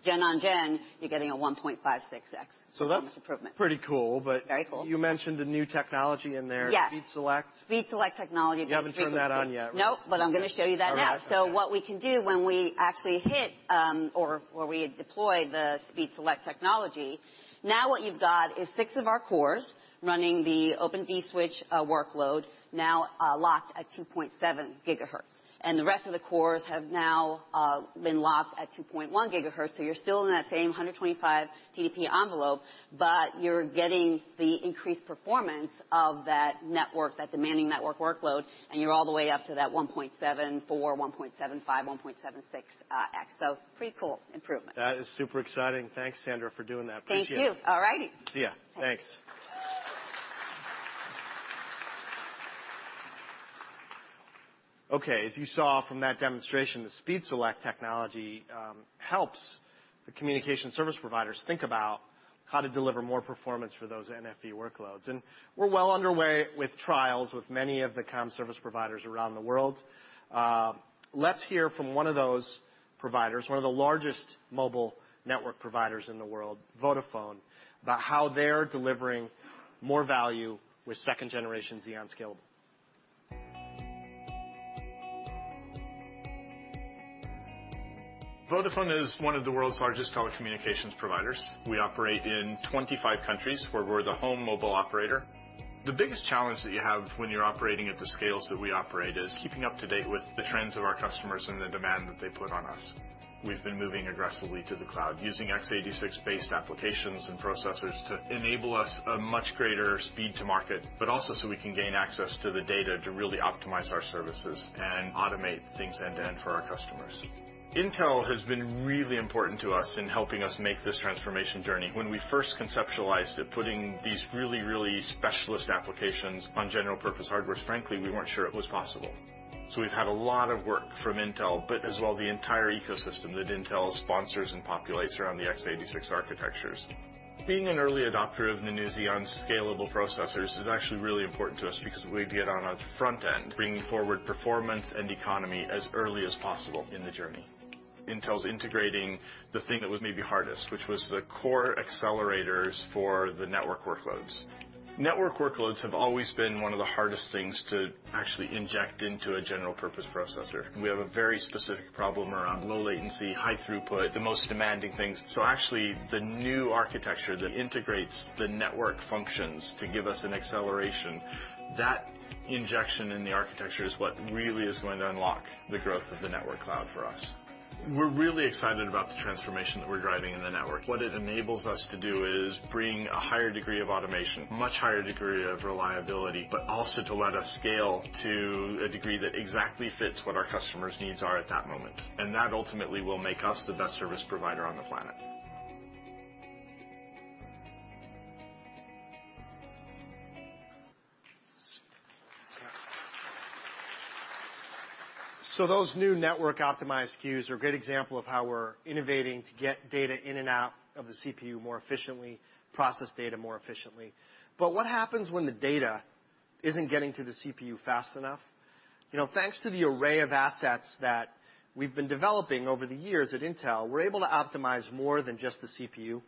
Gen on gen, you're getting a 1.56x performance improvement. That's pretty cool. Very cool. You mentioned a new technology in there. Yes. Speed Select? Speed Select Technology-Based Frequency. You haven't turned that on yet, right? Nope. I'm gonna show you that now. All right. What we can do when we actually hit, or we deploy the Speed Select Technology, now what you've got is 6 of our cores running the Open vSwitch workload now locked at 2.7 GHz. The rest of the cores have now been locked at 2.1 GHz, so you're still in that same 125 TDP envelope, but you're getting the increased performance of that network, that demanding network workload, and you're all the way up to that 1.74, 1.75, 1.76X. Pretty cool improvement. That is super exciting. Thanks, Sandra, for doing that. Appreciate it. Thank you. All righty. See ya. Thanks. Okay. As you saw from that demonstration, the Intel Speed Select Technology helps the communication service providers think about how to deliver more performance for those NFV workloads. We're well underway with trials with many of the comm service providers around the world. Let's hear from one of those providers, one of the largest mobile network providers in the world, Vodafone, about how they're delivering more value with second generation Xeon Scalable. Vodafone is one of the world's largest telecommunications providers. We operate in 25 countries where we're the home mobile operator. The biggest challenge that you have when you're operating at the scales that we operate is keeping up to date with the trends of our customers and the demand that they put on us. We've been moving aggressively to the cloud using x86 based applications and processors to enable us a much greater speed to market, but also so we can gain access to the data to really optimize our services and automate things end-to-end for our customers. Intel has been really important to us in helping us make this transformation journey. When we first conceptualized it, putting these really, really specialist applications on general purpose hardware, frankly, we weren't sure it was possible. We've had a lot of work from Intel, but as well, the entire ecosystem that Intel sponsors and populates around the x86 architectures. Being an early adopter of the new Xeon Scalable processors is actually really important to us because we get on a front end, bringing forward performance and economy as early as possible in the journey. Intel's integrating the thing that was maybe hardest, which was the core accelerators for the network workloads. Network workloads have always been one of the hardest things to actually inject into a general purpose processor. We have a very specific problem around low latency, high throughput, the most demanding things. Actually, the new architecture that integrates the network functions to give us an acceleration, that injection in the architecture is what really is going to unlock the growth of the network cloud for us. We're really excited about the transformation that we're driving in the network. What it enables us to do is bring a higher degree of automation, much higher degree of reliability, but also to let us scale to a degree that exactly fits what our customers' needs are at that moment, and that ultimately will make us the best service provider on the planet. Those new network optimized SKUs are a good example of how we're innovating to get data in and out of the CPU more efficiently, process data more efficiently. What happens when the data isn't getting to the CPU fast enough? You know, thanks to the array of assets that we've been developing over the years at Intel, we're able to optimize more than just the CPU.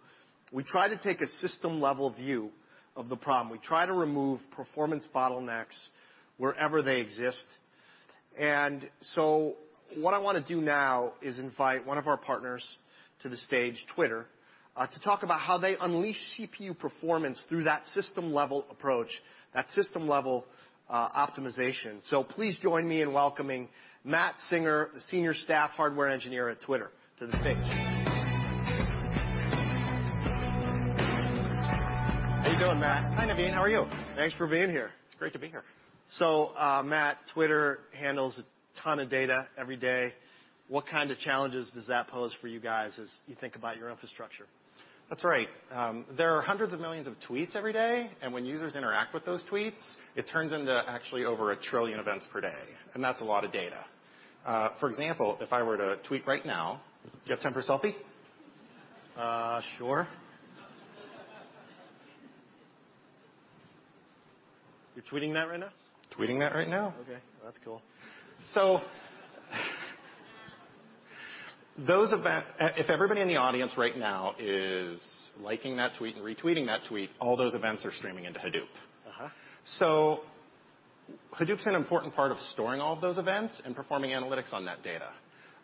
We try to take a system-level view of the problem. We try to remove performance bottlenecks wherever they exist. What I wanna do now is invite one of our partners to the stage, Twitter, to talk about how they unleash CPU performance through that system-level approach, that system-level optimization. Please join me in welcoming Matt Singer, the senior staff hardware engineer at Twitter to the stage. How you doing, Matt? Hi, Navin, how are you? Thanks for being here. It's great to be here. Matt, Twitter handles a ton of data every day. What kind of challenges does that pose for you guys as you think about your infrastructure? That's right. There are hundreds of millions of tweets every day. When users interact with those tweets, it turns into actually over a trillion events per day. That's a lot of data. For example, if I were to tweet right now. Do you have time for a selfie? Sure. You're tweeting that right now? Tweeting that right now. Okay. That's cool. If everybody in the audience right now is liking that tweet and retweeting that tweet, all those events are streaming into Hadoop. Hadoop's an important part of storing all of those events and performing analytics on that data.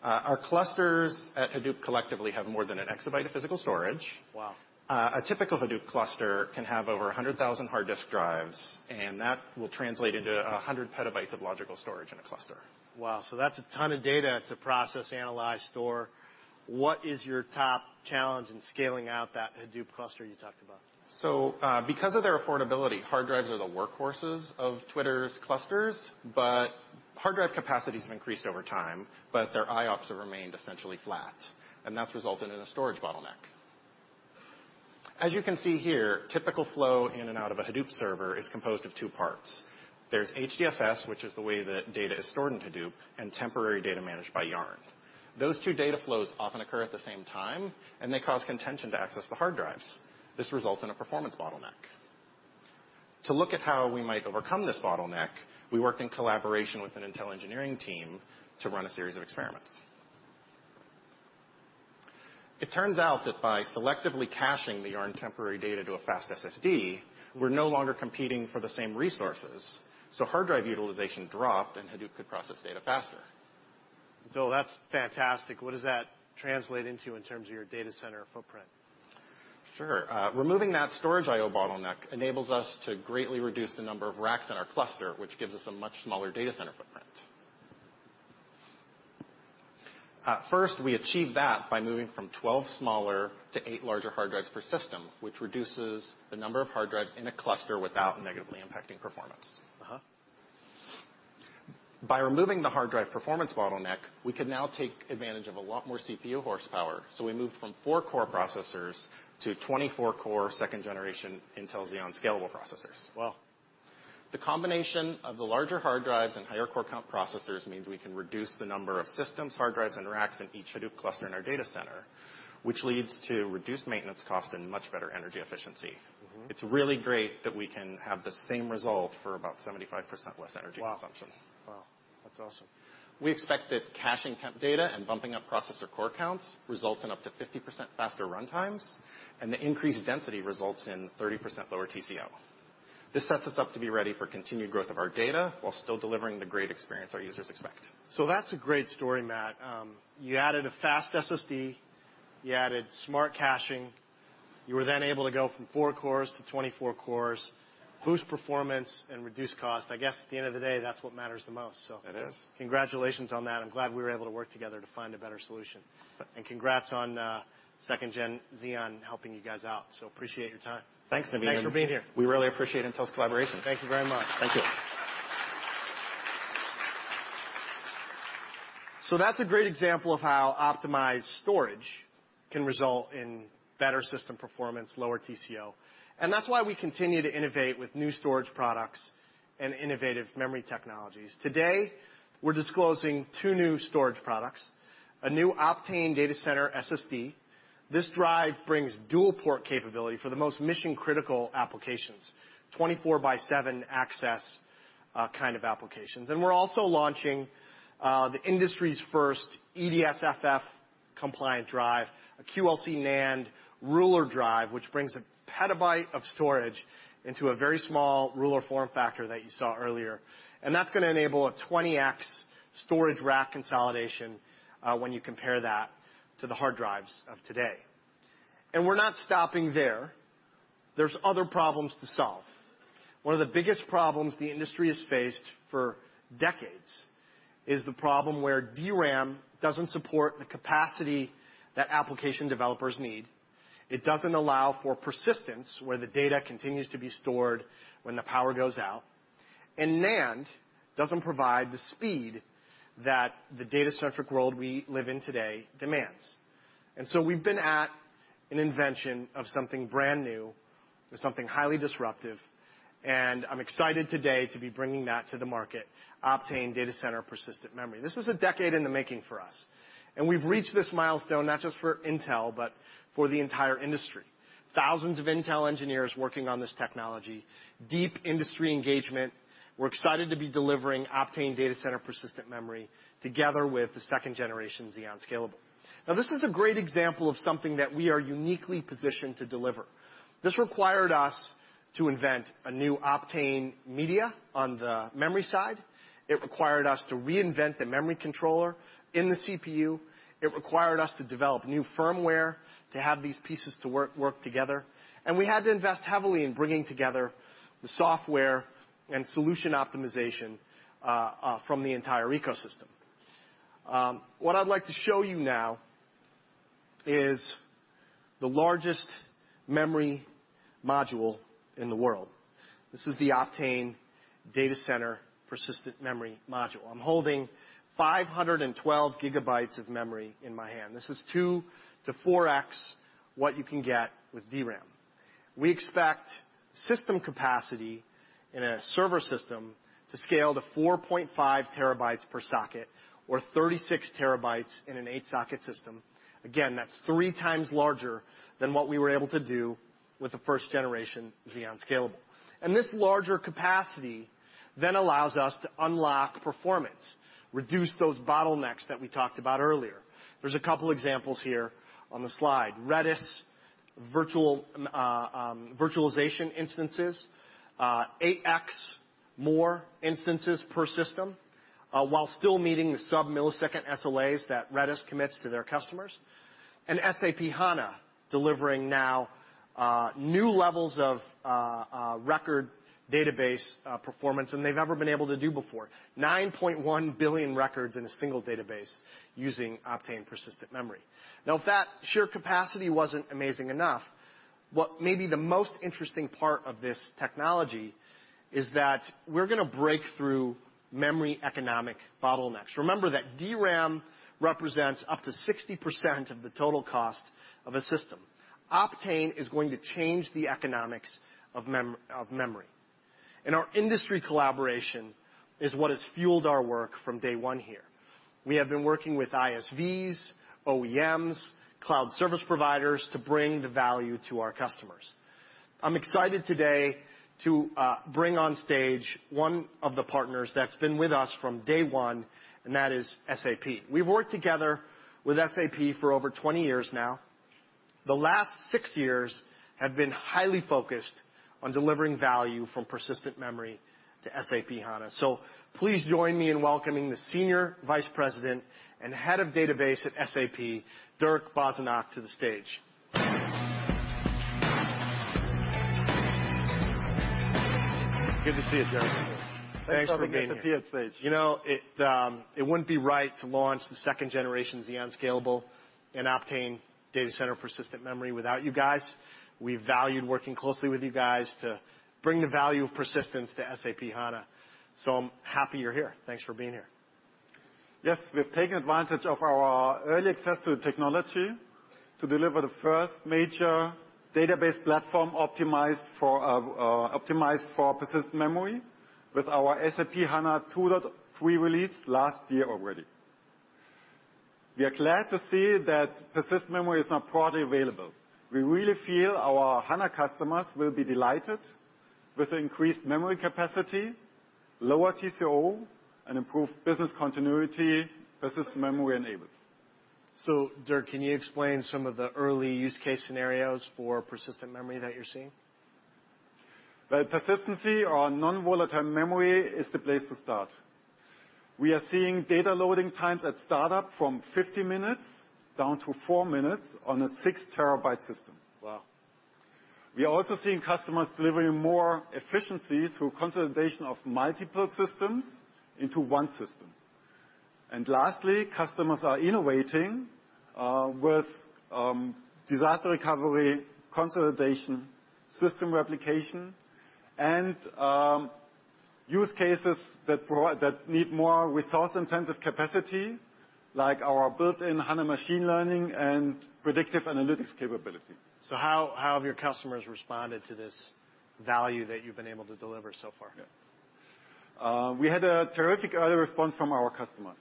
Our clusters at Hadoop collectively have more than an exabyte of physical storage. Wow. A typical Hadoop cluster can have over 100,000 hard disk drives, and that will translate into 100 PB of logical storage in a cluster. Wow, that's a ton of data to process, analyze, store. What is your top challenge in scaling out that Hadoop cluster you talked about? Because of their affordability, hard drives are the workhorses of Twitter's clusters, but hard drive capacity has increased over time, but their IOPS have remained essentially flat, and that's resulted in a storage bottleneck. As you can see here, typical flow in and out of a Hadoop server is composed of 2 parts. There's HDFS, which is the way that data is stored in Hadoop, and temporary data managed by YARN. Those 2 data flows often occur at the same time, and they cause contention to access the hard drives. This results in a performance bottleneck. To look at how we might overcome this bottleneck, we worked in collaboration with an Intel engineering team to run a series of experiments. It turns out that by selectively caching the YARN temporary data to a fast SSD, we're no longer competing for the same resources. Hard drive utilization dropped, and Hadoop could process data faster. That's fantastic. What does that translate into in terms of your data center footprint? Sure. Removing that storage IO bottleneck enables us to greatly reduce the number of racks in our cluster, which gives us a much smaller data center footprint. First, we achieve that by moving from 12 smaller to 8 larger hard drives per system, which reduces the number of hard drives in a cluster without negatively impacting performance. By removing the hard drive performance bottleneck, we can now take advantage of a lot more CPU horsepower. We moved from 4 core processors to 24 core 2nd generation Intel Xeon Scalable processors. Wow. The combination of the larger hard drives and higher core count processors means we can reduce the number of systems, hard drives, and racks in each Hadoop cluster in our data center, which leads to reduced maintenance cost and much better energy efficiency. It's really great that we can have the same result for about 75% less energy consumption. Wow. Wow. That's awesome. We expect that caching temp data and bumping up processor core counts results in up to 50% faster runtimes, and the increased density results in 30% lower TCO. This sets us up to be ready for continued growth of our data while still delivering the great experience our users expect. That's a great story, Matt. You added a fast SSD. You added smart caching. You were then able to go from four cores to 24 cores, boost performance, and reduce cost. I guess at the end of the day, that's what matters the most. It is congratulations on that. I'm glad we were able to work together to find a better solution. Yeah. Congrats on 2nd-gen Xeon helping you guys out. Appreciate your time. Thanks, Navin. Thanks for being here. We really appreciate Intel's collaboration. Thank you very much. Thank you. That's a great example of how optimized storage can result in better system performance, lower TCO. That's why we continue to innovate with new storage products and innovative memory technologies. Today, we're disclosing 2 new storage products. A new Optane Data Center SSD. This drive brings dual-port capability for the most mission-critical applications, 24 by 7 access, kind of applications. We're also launching the industry's first EDSFF compliant drive, a QLC NAND ruler drive, which brings 1 PB of storage into a very small ruler form factor that you saw earlier. That's gonna enable a 20X storage rack consolidation when you compare that to the hard drives of today. We're not stopping there. There's other problems to solve. One of the biggest problems the industry has faced for decades is the problem where DRAM doesn't support the capacity that application developers need. It doesn't allow for persistence, where the data continues to be stored when the power goes out. NAND doesn't provide the speed that the data-centric world we live in today demands. We've been at an invention of something brand new and something highly disruptive, and I'm excited today to be bringing that to the market. Optane DC Persistent Memory. This is a decade in the making for us, and we've reached this milestone not just for Intel, but for the entire industry. Thousands of Intel engineers working on this technology, deep industry engagement. We're excited to be delivering Optane DC Persistent Memory together with the second generation Xeon Scalable. This is a great example of something that we are uniquely positioned to deliver. This required us to invent a new Optane media on the memory side. It required us to reinvent the memory controller in the CPU. It required us to develop new firmware to have these pieces to work together. We had to invest heavily in bringing together the software and solution optimization from the entire ecosystem. What I'd like to show you now is the largest memory module in the world. This is the Optane Data Center Persistent Memory module. I'm holding 512 GB of memory in my hand. This is 2x-4x what you can get with DRAM. We expect system capacity in a server system to scale to 4.5 TB per socket or 36 TB in an 8-socket system. That's 3 times larger than what we were able to do with the first generation Xeon Scalable. This larger capacity allows us to unlock performance, reduce those bottlenecks that we talked about earlier. There's a couple examples here on the slide. Redis virtual virtualization instances, 8x more instances per system, while still meeting the sub-millisecond SLAs that Redis commits to their customers. SAP HANA delivering now new levels of record database performance than they've ever been able to do before. 9.1 billion records in a single database using Optane Persistent Memory. If that sheer capacity wasn't amazing enough, what may be the most interesting part of this technology is that we're gonna break through memory economic bottlenecks. Remember that DRAM represents up to 60% of the total cost of a system. Optane is going to change the economics of memory. Our industry collaboration is what has fueled our work from day one here. We have been working with ISVs, OEMs, cloud service providers to bring the value to our customers. I'm excited today to bring on stage one of the partners that's been with us from day one, and that is SAP. We've worked together with SAP for over 20 years now. The last six years have been highly focused on delivering value from persistent memory to SAP HANA. Please join me in welcoming the Senior Vice President and Head of Database at SAP, [Gerd Koether], to the stage. Good to see you, Gerd. Thanks for having me. Thanks for being here. You know, it wouldn't be right to launch the second generation Xeon Scalable and Intel Optane DC Persistent Memory without you guys. We valued working closely with you guys to bring the value of persistence to SAP HANA, so I'm happy you're here. Thanks for being here. Yes, we've taken advantage of our early access to the technology to deliver the first major database platform optimized for persistent memory with our SAP HANA 2.3 release last year already. We are glad to see that persistent memory is now broadly available. We really feel our HANA customers will be delighted with the increased memory capacity, lower TCO, and improved business continuity persistent memory enables. Gerd, can you explain some of the early use case scenarios for persistent memory that you're seeing? Well, persistency on non-volatile memory is the place to start. We are seeing data loading times at startup from 50 minutes down to 4 minutes on a 6-TB system. Wow. We are also seeing customers delivering more efficiency through consolidation of multiple systems into one system. Lastly, customers are innovating with disaster recovery consolidation-System replication and use cases that need more resource intensive capacity, like our built-in HANA machine learning and predictive analytics capability. How have your customers responded to this value that you've been able to deliver so far? Yeah. We had a terrific early response from our customers.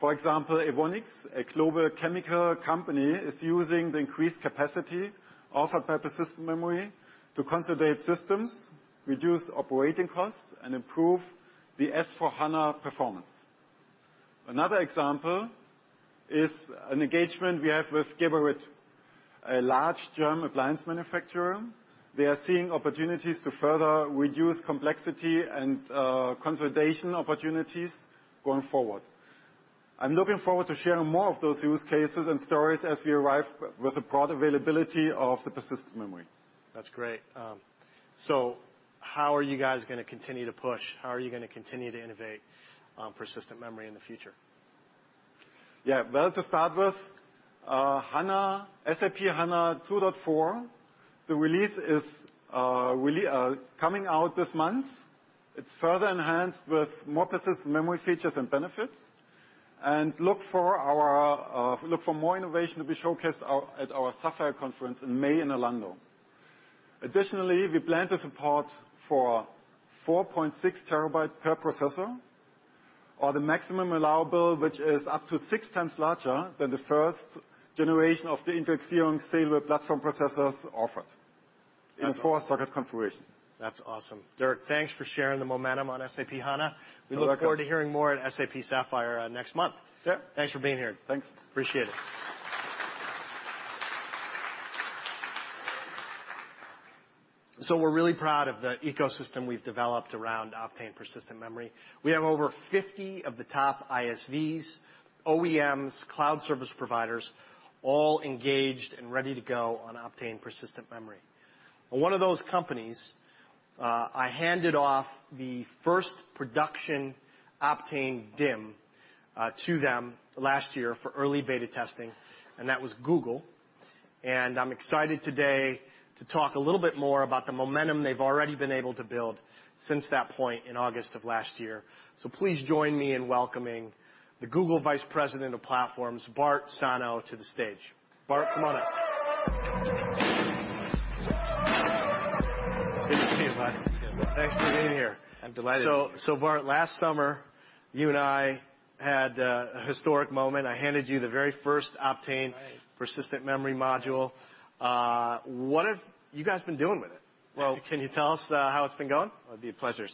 For example, Evonik, a global chemical company, is using the increased capacity of a persistent memory to consolidate systems, reduce operating costs, and improve the S/4HANA performance. Another example is an engagement we have with Geberit, a large German appliance manufacturer. They are seeing opportunities to further reduce complexity and consolidation opportunities going forward. I'm looking forward to sharing more of those use cases and stories as we arrive with the broad availability of the persistent memory. That's great. How are you guys gonna continue to push? How are you gonna continue to innovate, persistent memory in the future? Yeah. Well, to start with, HANA, SAP HANA 2.4, the release is coming out this month. It's further enhanced with more persistent memory features and benefits. Look for more innovation to be showcased at our Sapphire conference in May in Orlando. Additionally, we plan to support for 4.6 TB per processor or the maximum allowable, which is up to 6x larger than the first generation of the Intel Xeon Scalable platform processors offered- Interesting in a 4-socket configuration. That's awesome. [Gerd Koether], thanks for sharing the momentum on SAP HANA. You're welcome. We look forward to hearing more at SAP Sapphire, next month. Yeah. Thanks for being here. Thanks. Appreciate it. We're really proud of the ecosystem we've developed around Optane persistent memory. We have over 50 of the top ISVs, OEMs, cloud service providers, all engaged and ready to go on Optane persistent memory. One of those companies, I handed off the first production Optane DIMM to them last year for early beta testing, and that was Google. I'm excited today to talk a little bit more about the momentum they've already been able to build since that point in August of last year. Please join me in welcoming the Google Vice President of Platforms, Bart Sano, to the stage. Bart, come on up. Good to see you, bud. Good to see you. Thanks for being here. I'm delighted. Bart, last summer, you and I had a historic moment. I handed you the very first Optane. Right persistent memory module. What have you guys been doing with it? Well- Can you tell us how it's been going? It'd be a pleasure.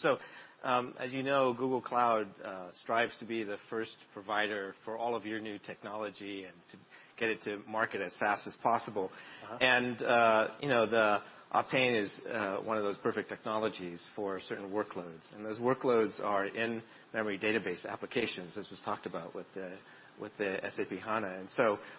As you know, Google Cloud strives to be the first provider for all of your new technology and to get it to market as fast as possible. You know, the Optane is one of those perfect technologies for certain workloads, and those workloads are in memory database applications, as was talked about with the SAP HANA.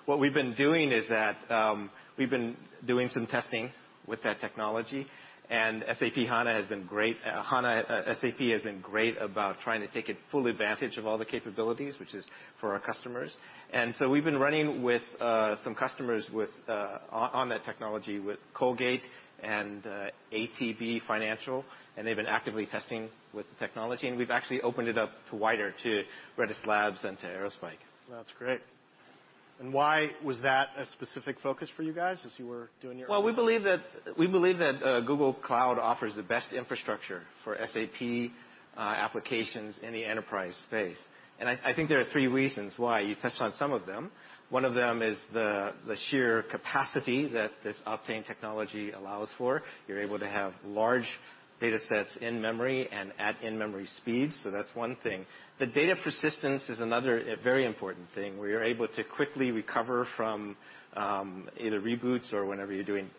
What we've been doing is that we've been doing some testing with that technology, and SAP HANA has been great. SAP has been great about trying to take it full advantage of all the capabilities, which is for our customers. We've been running with some customers on that technology with Colgate and ATB Financial, and they've been actively testing with the technology. We've actually opened it up to wider to Redis Labs and to Aerospike. That's great. Why was that a specific focus for you guys as you were doing your? Well, we believe that Google Cloud offers the best infrastructure for SAP applications in the enterprise space. I think there are three reasons why. You touched on some of them. One of them is the sheer capacity that this Optane technology allows for. You're able to have large data sets in memory and at in-memory speeds, that's one thing. The data persistence is another very important thing, where you're able to quickly recover from either reboots or whenever you're doing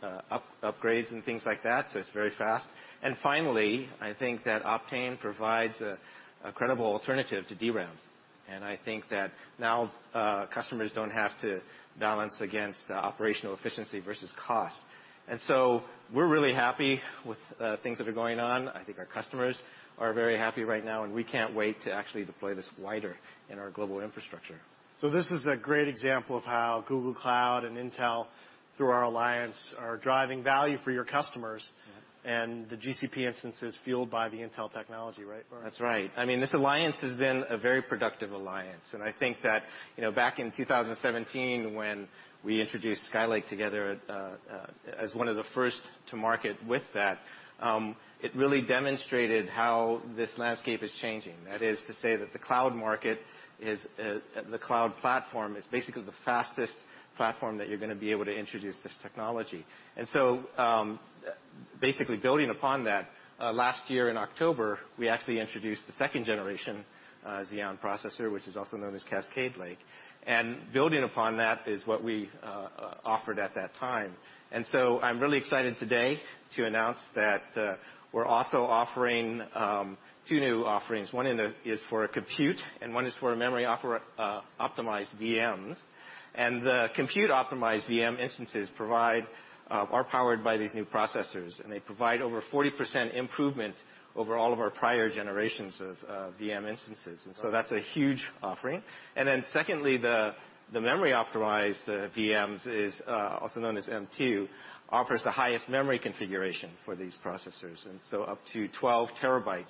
upgrades and things like that, it's very fast. Finally, I think that Optane provides a credible alternative to DRAM. I think that now customers don't have to balance against operational efficiency versus cost. We're really happy with things that are going on. I think our customers are very happy right now, and we can't wait to actually deploy this wider in our global infrastructure. This is a great example of how Google Cloud and Intel, through our alliance, are driving value for your customers. Yeah. The GCP instance is fueled by the Intel technology, right, Bart? That's right. I mean, this alliance has been a very productive alliance. I think that, you know, back in 2017 when we introduced Skylake together, as one of the first to market with that, it really demonstrated how this landscape is changing. That is to say that the cloud market is, the cloud platform is basically the fastest platform that you're gonna be able to introduce this technology. Basically building upon that, last year in October, we actually introduced the 2nd generation Xeon processor, which is also known as Cascade Lake. Building upon that is what we offered at that time. I'm really excited today to announce that we're also offering 2 new offerings. One is for compute, and one is for memory optimized VMs. The compute optimized VM instances are powered by these new processors, and they provide over 40% improvement over all of our prior generations of VM instances. Right. That's a huge offering. Secondly, the memory optimized VMs is also known as M2, offers the highest memory configuration for these processors, up to 12 TB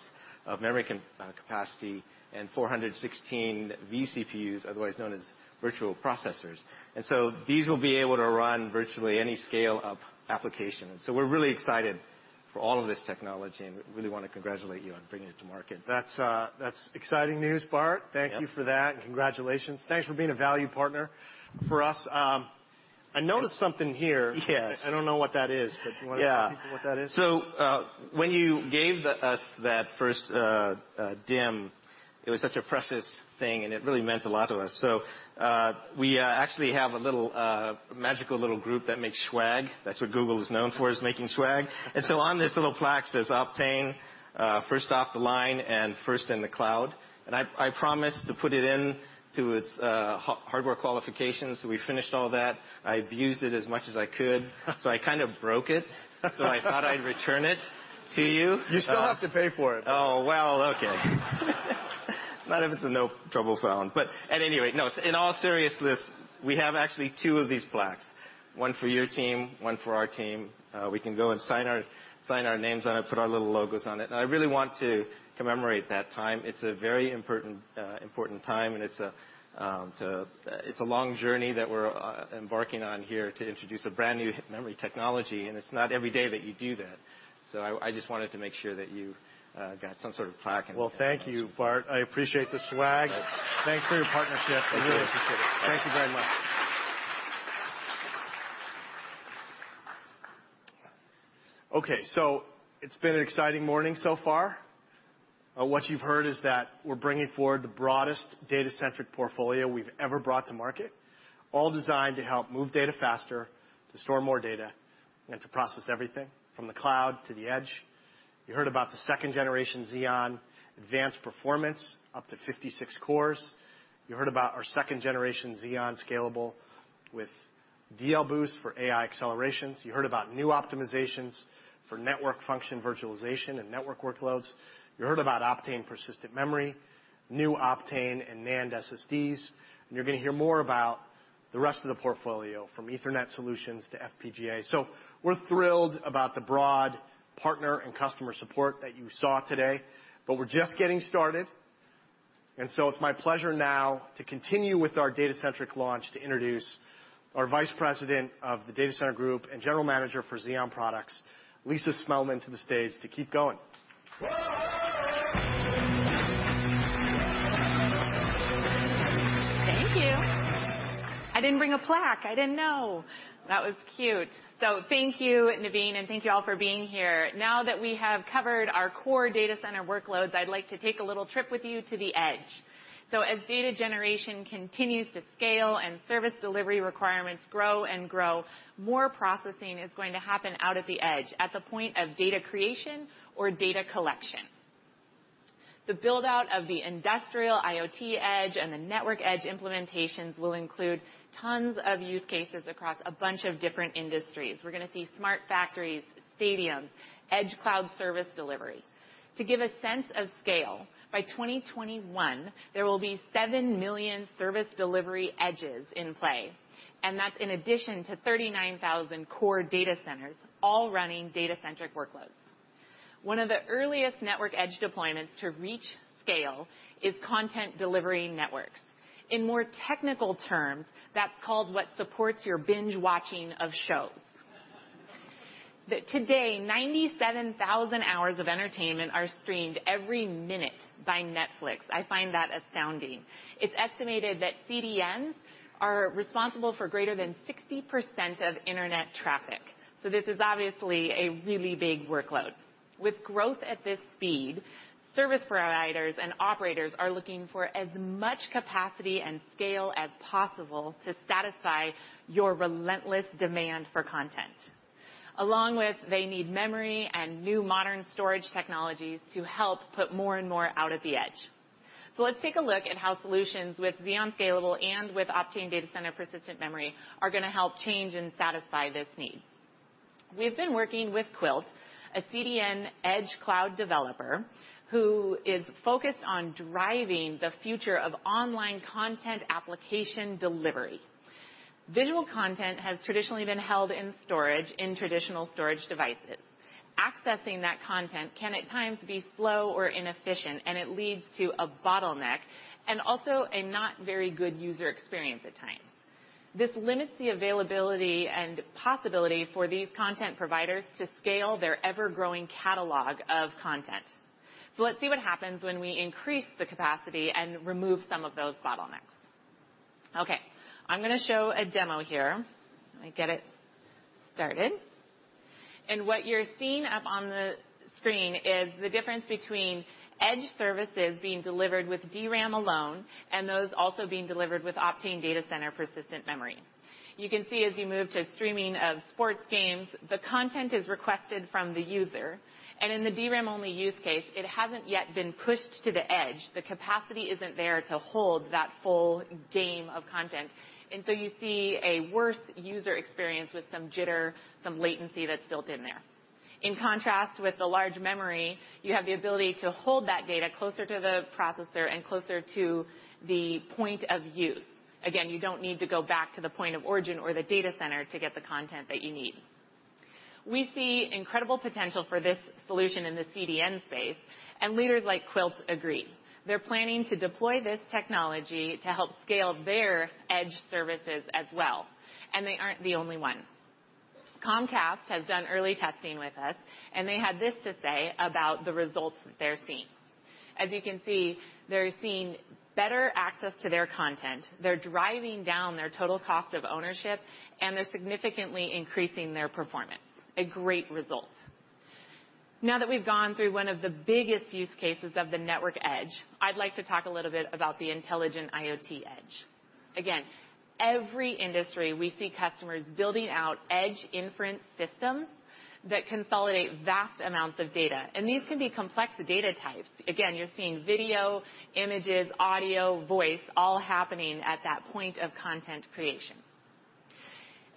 of memory capacity and 416 vCPUs, otherwise known as virtual processors. These will be able to run virtually any scale of application. We're really excited for all of this technology, and we really wanna congratulate you on bringing it to market. That's exciting news, Bart. Yep. Thank you for that, and congratulations. Thanks for being a value partner for us. I noticed something here. Yeah. I don't know what that is, but. Yeah Do you wanna tell people what that is? When you gave us that first DIMM, it was such a precious thing, and it really meant a lot to us. We actually have a little magical little group that makes swag. That's what Google is known for, is making swag. On this little plaque says, "Optane, first off the line and first in the cloud." I promised to put it in to its hardware qualifications. We finished all that. I abused it as much as I could. I kind of broke it. I thought I'd return it to you. You still have to pay for it, though. Oh, well, okay. Not if it's a no troubles found. Anyway, no, in all seriousness, we have actually two of these plaques, one for your team, one for our team. We can go and sign our names on it, put our little logos on it. I really want to commemorate that time. It's a very important time, and it's a long journey that we're embarking on here to introduce a brand-new memory technology, and it's not every day that you do that. I just wanted to make sure that you got some sort of plaque. Well, thank you, Bart. I appreciate the swag. Thanks for your partnership. Thanks. We really appreciate it. Thank you very much. It's been an exciting morning so far. What you've heard is that we're bringing forward the broadest data-centric portfolio we've ever brought to market, all designed to help move data faster, to store more data, and to process everything from the cloud to the edge. You heard about the second generation Xeon advanced performance, up to 56 cores. You heard about our second generation Xeon Scalable with DL Boost for AI accelerations. You heard about new optimizations for network function virtualization and network workloads. You heard about Optane persistent memory, new Optane and NAND SSDs, and you're gonna hear more about the rest of the portfolio from Ethernet solutions to FPGA. We're thrilled about the broad partner and customer support that you saw today, but we're just getting started. It's my pleasure now to continue with our data-centric launch to introduce our Vice President of the Data Center Group and General Manager for Xeon products, Lisa Spelman, to the stage to keep going. Thank you. I didn't bring a plaque. I didn't know. That was cute. Thank you, Navin, and thank you all for being here. Now that we have covered our core data center workloads, I'd like to take a little trip with you to the edge. As data generation continues to scale and service delivery requirements grow and grow, more processing is going to happen out at the edge at the point of data creation or data collection. The build-out of the industrial IoT edge and the network edge implementations will include tons of use cases across a bunch of different industries. We're gonna see smart factories, stadiums, edge cloud service delivery. To give a sense of scale, by 2021, there will be 7 million service delivery edges in play, and that's in addition to 39,000 core data centers all running data-centric workloads. One of the earliest network edge deployments to reach scale is content delivery networks. In more technical terms, that's called what supports your binge-watching of shows. Today, 97,000 hours of entertainment are streamed every minute by Netflix. I find that astounding. It's estimated that CDNs are responsible for greater than 60% of internet traffic, so this is obviously a really big workload. With growth at this speed, service providers and operators are looking for as much capacity and scale as possible to satisfy your relentless demand for content. Along with, they need memory and new modern storage technologies to help put more and more out at the edge. Let's take a look at how solutions with Xeon Scalable and with Optane DC Persistent Memory are gonna help change and satisfy this need. We've been working with Qwilt, a CDN edge cloud developer who is focused on driving the future of online content application delivery. Visual content has traditionally been held in storage in traditional storage devices. Accessing that content can at times be slow or inefficient, it leads to a bottleneck and also a not very good user experience at times. This limits the availability and possibility for these content providers to scale their ever-growing catalog of content. Let's see what happens when we increase the capacity and remove some of those bottlenecks. I'm gonna show a demo here. Let me get it started. What you're seeing up on the screen is the difference between edge services being delivered with DRAM alone and those also being delivered with Optane data center persistent memory. You can see as you move to streaming of sports games, the content is requested from the user. In the DRAM-only use case, it hasn't yet been pushed to the edge. The capacity isn't there to hold that full game of content. You see a worse user experience with some jitter, some latency that's built in there. In contrast with the large memory, you have the ability to hold that data closer to the processor and closer to the point of use. Again, you don't need to go back to the point of origin or the data center to get the content that you need. We see incredible potential for this solution in the CDN space. Leaders like Qwilt agree. They're planning to deploy this technology to help scale their edge services as well. They aren't the only ones. Comcast has done early testing with us, and they had this to say about the results that they're seeing. As you can see, they're seeing better access to their content, they're driving down their total cost of ownership, and they're significantly increasing their performance. A great result. Now that we've gone through one of the biggest use cases of the network edge, I'd like to talk a little bit about the intelligent IoT edge. Again, every industry we see customers building out edge inference systems that consolidate vast amounts of data, and these can be complex data types. Again, you're seeing video, images, audio, voice, all happening at that point of content creation.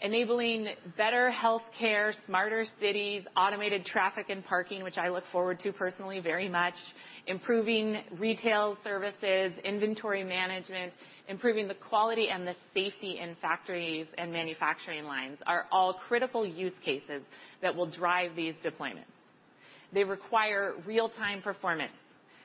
Enabling better healthcare, smarter cities, automated traffic and parking, which I look forward to personally very much, improving retail services, inventory management, improving the quality and the safety in factories and manufacturing lines are all critical use cases that will drive these deployments. They require real-time performance,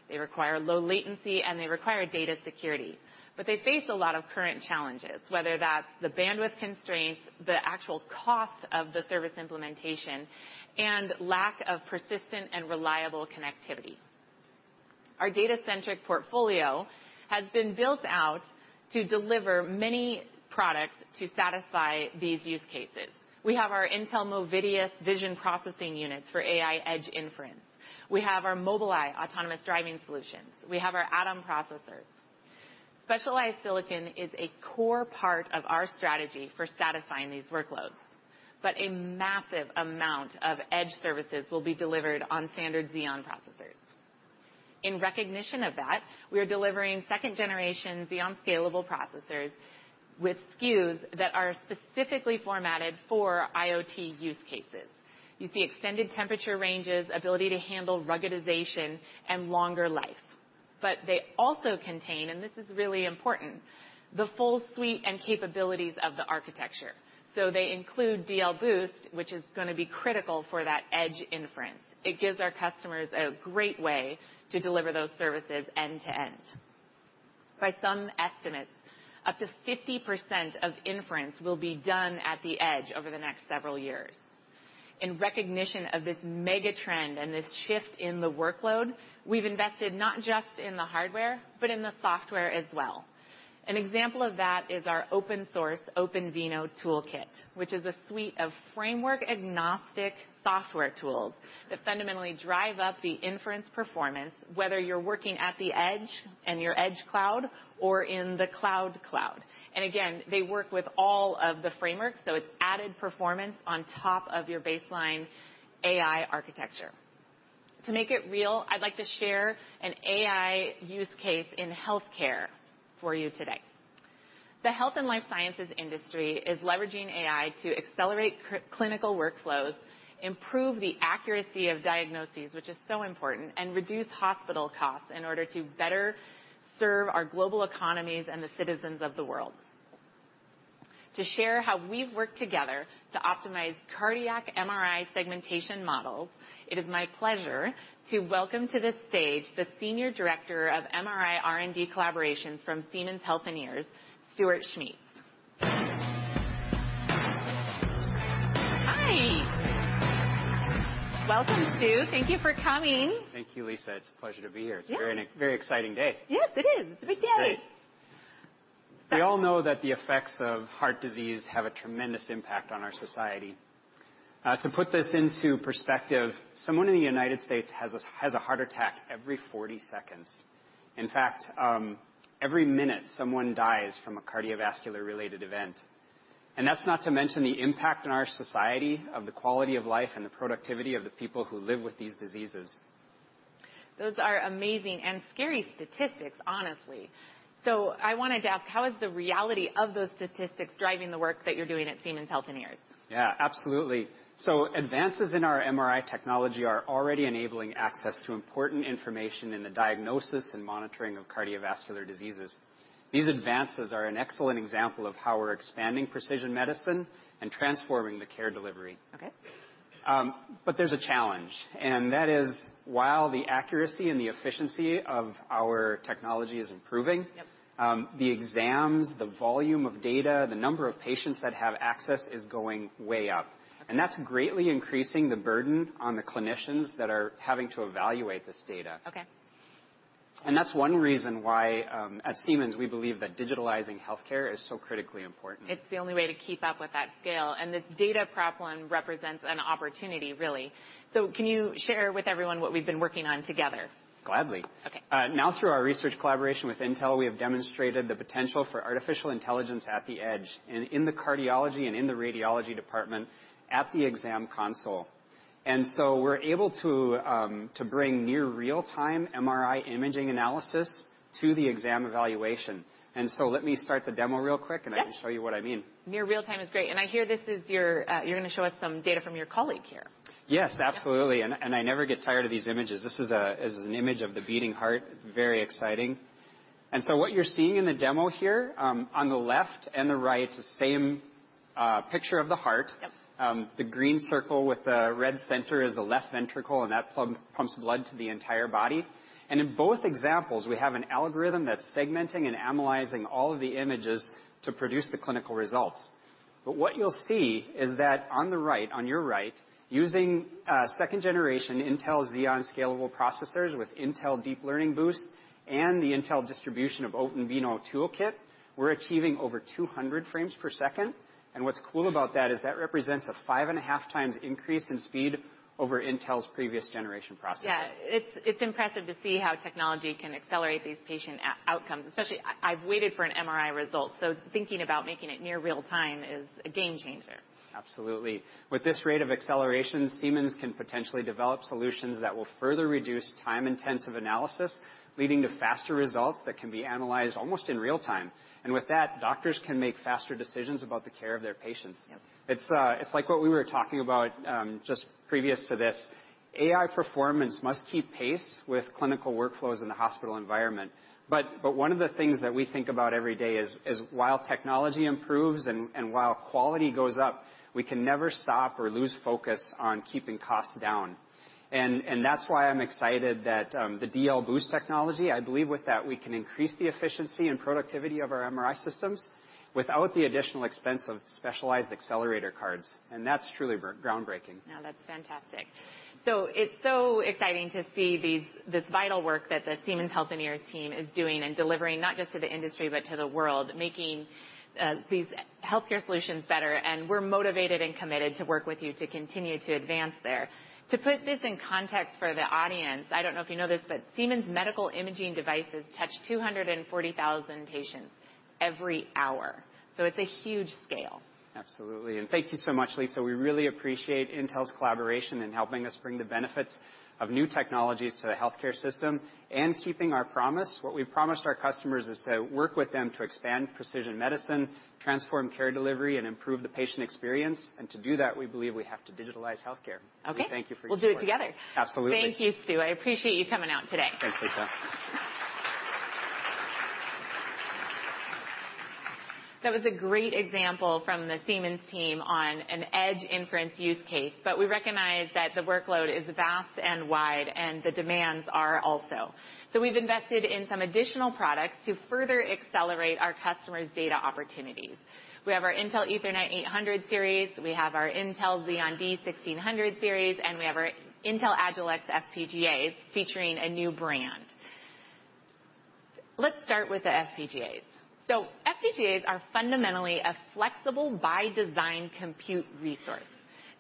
they require low latency, and they require data security. They face a lot of current challenges, whether that's the bandwidth constraints, the actual cost of the service implementation, and lack of persistent and reliable connectivity. Our data-centric portfolio has been built out to deliver many products to satisfy these use cases. We have our Intel Movidius vision processing units for AI edge inference. We have our Mobileye autonomous driving solutions. We have our Atom processors. Specialized silicon is a core part of our strategy for satisfying these workloads, but a massive amount of edge services will be delivered on standard Xeon processors. In recognition of that, we are delivering second generation Xeon Scalable processors with SKUs that are specifically formatted for IoT use cases. You see extended temperature ranges, ability to handle ruggedization, and longer life. They also contain, and this is really important, the full suite and capabilities of the architecture. They include DL Boost, which is gonna be critical for that edge inference. It gives our customers a great way to deliver those services end to end. By some estimates, up to 50% of inference will be done at the edge over the next several years. In recognition of this mega trend and this shift in the workload, we've invested not just in the hardware, but in the software as well. An example of that is our open source OpenVINO toolkit, which is a suite of framework-agnostic software tools that fundamentally drive up the inference performance, whether you're working at the edge in your edge cloud or in the [core] cloud. Again, they work with all of the frameworks, so it's added performance on top of your baseline AI architecture. To make it real, I'd like to share an AI use case in healthcare for you today. The health and life sciences industry is leveraging AI to accelerate clinical workflows, improve the accuracy of diagnoses, which is so important, and reduce hospital costs in order to better serve our global economies and the citizens of the world. To share how we've worked together to optimize cardiac MR segmentation models, it is my pleasure to welcome to the stage the senior director of MR and R&D collaborations from Siemens Healthineers, Stuart Schmeets. Hi. Welcome, Stu. Thank you for coming. Thank you, Lisa. It's a pleasure to be here. Yeah. It's a very, very exciting day. Yes, it is. It's a big day. It's great. We all know that the effects of heart disease have a tremendous impact on our society. To put this into perspective, someone in the U.S. has a heart attack every 40 seconds. In fact, every minute, someone dies from a cardiovascular-related event. That's not to mention the impact on our society of the quality of life and the productivity of the people who live with these diseases. Those are amazing and scary statistics, honestly. I wanted to ask, how is the reality of those statistics driving the work that you're doing at Siemens Healthineers? Yeah, absolutely. Advances in our MRI technology are already enabling access to important information in the diagnosis and monitoring of cardiovascular diseases. These advances are an excellent example of how we're expanding precision medicine and transforming the care delivery. Okay. There's a challenge, and that is, while the accuracy and the efficiency of our technology is improving. Yep The exams, the volume of data, the number of patients that have access is going way up. Okay. That's greatly increasing the burden on the clinicians that are having to evaluate this data. Okay. That's one reason why, at Siemens, we believe that digitalizing healthcare is so critically important. It's the only way to keep up with that scale. The data problem represents an opportunity, really. Can you share with everyone what we've been working on together? Gladly. Okay. Now through our research collaboration with Intel, we have demonstrated the potential for artificial intelligence at the edge and in the cardiology and in the radiology department at the exam console. We're able to bring near real-time MRI imaging analysis to the exam evaluation. Let me start the demo real quick. Yeah. I can show you what I mean. Near real time is great. I hear this is your, you're gonna show us some data from your colleague here. Yes, absolutely. Yeah. I never get tired of these images. This is an image of the beating heart. Very exciting. What you're seeing in the demo here, on the left and the right, it's the same picture of the heart. Yep. The green circle with the red center is the left ventricle, and that plug pumps blood to the entire body. In both examples, we have an algorithm that's segmenting and analyzing all of the images to produce the clinical results. What you'll see is that on the right, on your right, using 2nd generation Intel Xeon Scalable processors with Intel Deep Learning Boost and the Intel Distribution of OpenVINO toolkit, we're achieving over 200 frames per second. What's cool about that is that represents a 5.5 times increase in speed over Intel's previous generation processors. Yeah. It's impressive to see how technology can accelerate these patient outcomes. Especially, I've waited for an MRI result, so thinking about making it near real-time is a game changer. Absolutely. With this rate of acceleration, Siemens can potentially develop solutions that will further reduce time-intensive analysis, leading to faster results that can be analyzed almost in real time. With that, doctors can make faster decisions about the care of their patients. Yep. It's, it's like what we were talking about just previous to this. AI performance must keep pace with clinical workflows in the hospital environment. One of the things that we think about every day is while technology improves and while quality goes up, we can never stop or lose focus on keeping costs down. That's why I'm excited that the DL Boost technology, I believe with that we can increase the efficiency and productivity of our MRI systems without the additional expense of specialized accelerator cards. That's truly groundbreaking. That's fantastic. It's so exciting to see this vital work that the Siemens Healthineers team is doing and delivering, not just to the industry but to the world, making these healthcare solutions better, and we're motivated and committed to work with you to continue to advance there. To put this in context for the audience, I don't know if you know this, but Siemens medical imaging devices touch 240,000 patients every hour. It's a huge scale. Absolutely. Thank you so much, Lisa. We really appreciate Intel's collaboration in helping us bring the benefits of new technologies to the healthcare system and keeping our promise. What we've promised our customers is to work with them to expand precision medicine, transform care delivery, and improve the patient experience. To do that, we believe we have to digitalize healthcare. Okay. We thank you for your support. We'll do it together. Absolutely. Thank you, Stu. I appreciate you coming out today. Thanks, Lisa. That was a great example from the Siemens team on an edge inference use case. We recognize that the workload is vast and wide, and the demands are also. We've invested in some additional products to further accelerate our customers' data opportunities. We have our Intel Ethernet 800 Series, we have our Intel Xeon D-1600 series, and we have our Intel Agilex FPGAs featuring a new brand. Let's start with the FPGAs. FPGAs are fundamentally a flexible by design compute resource.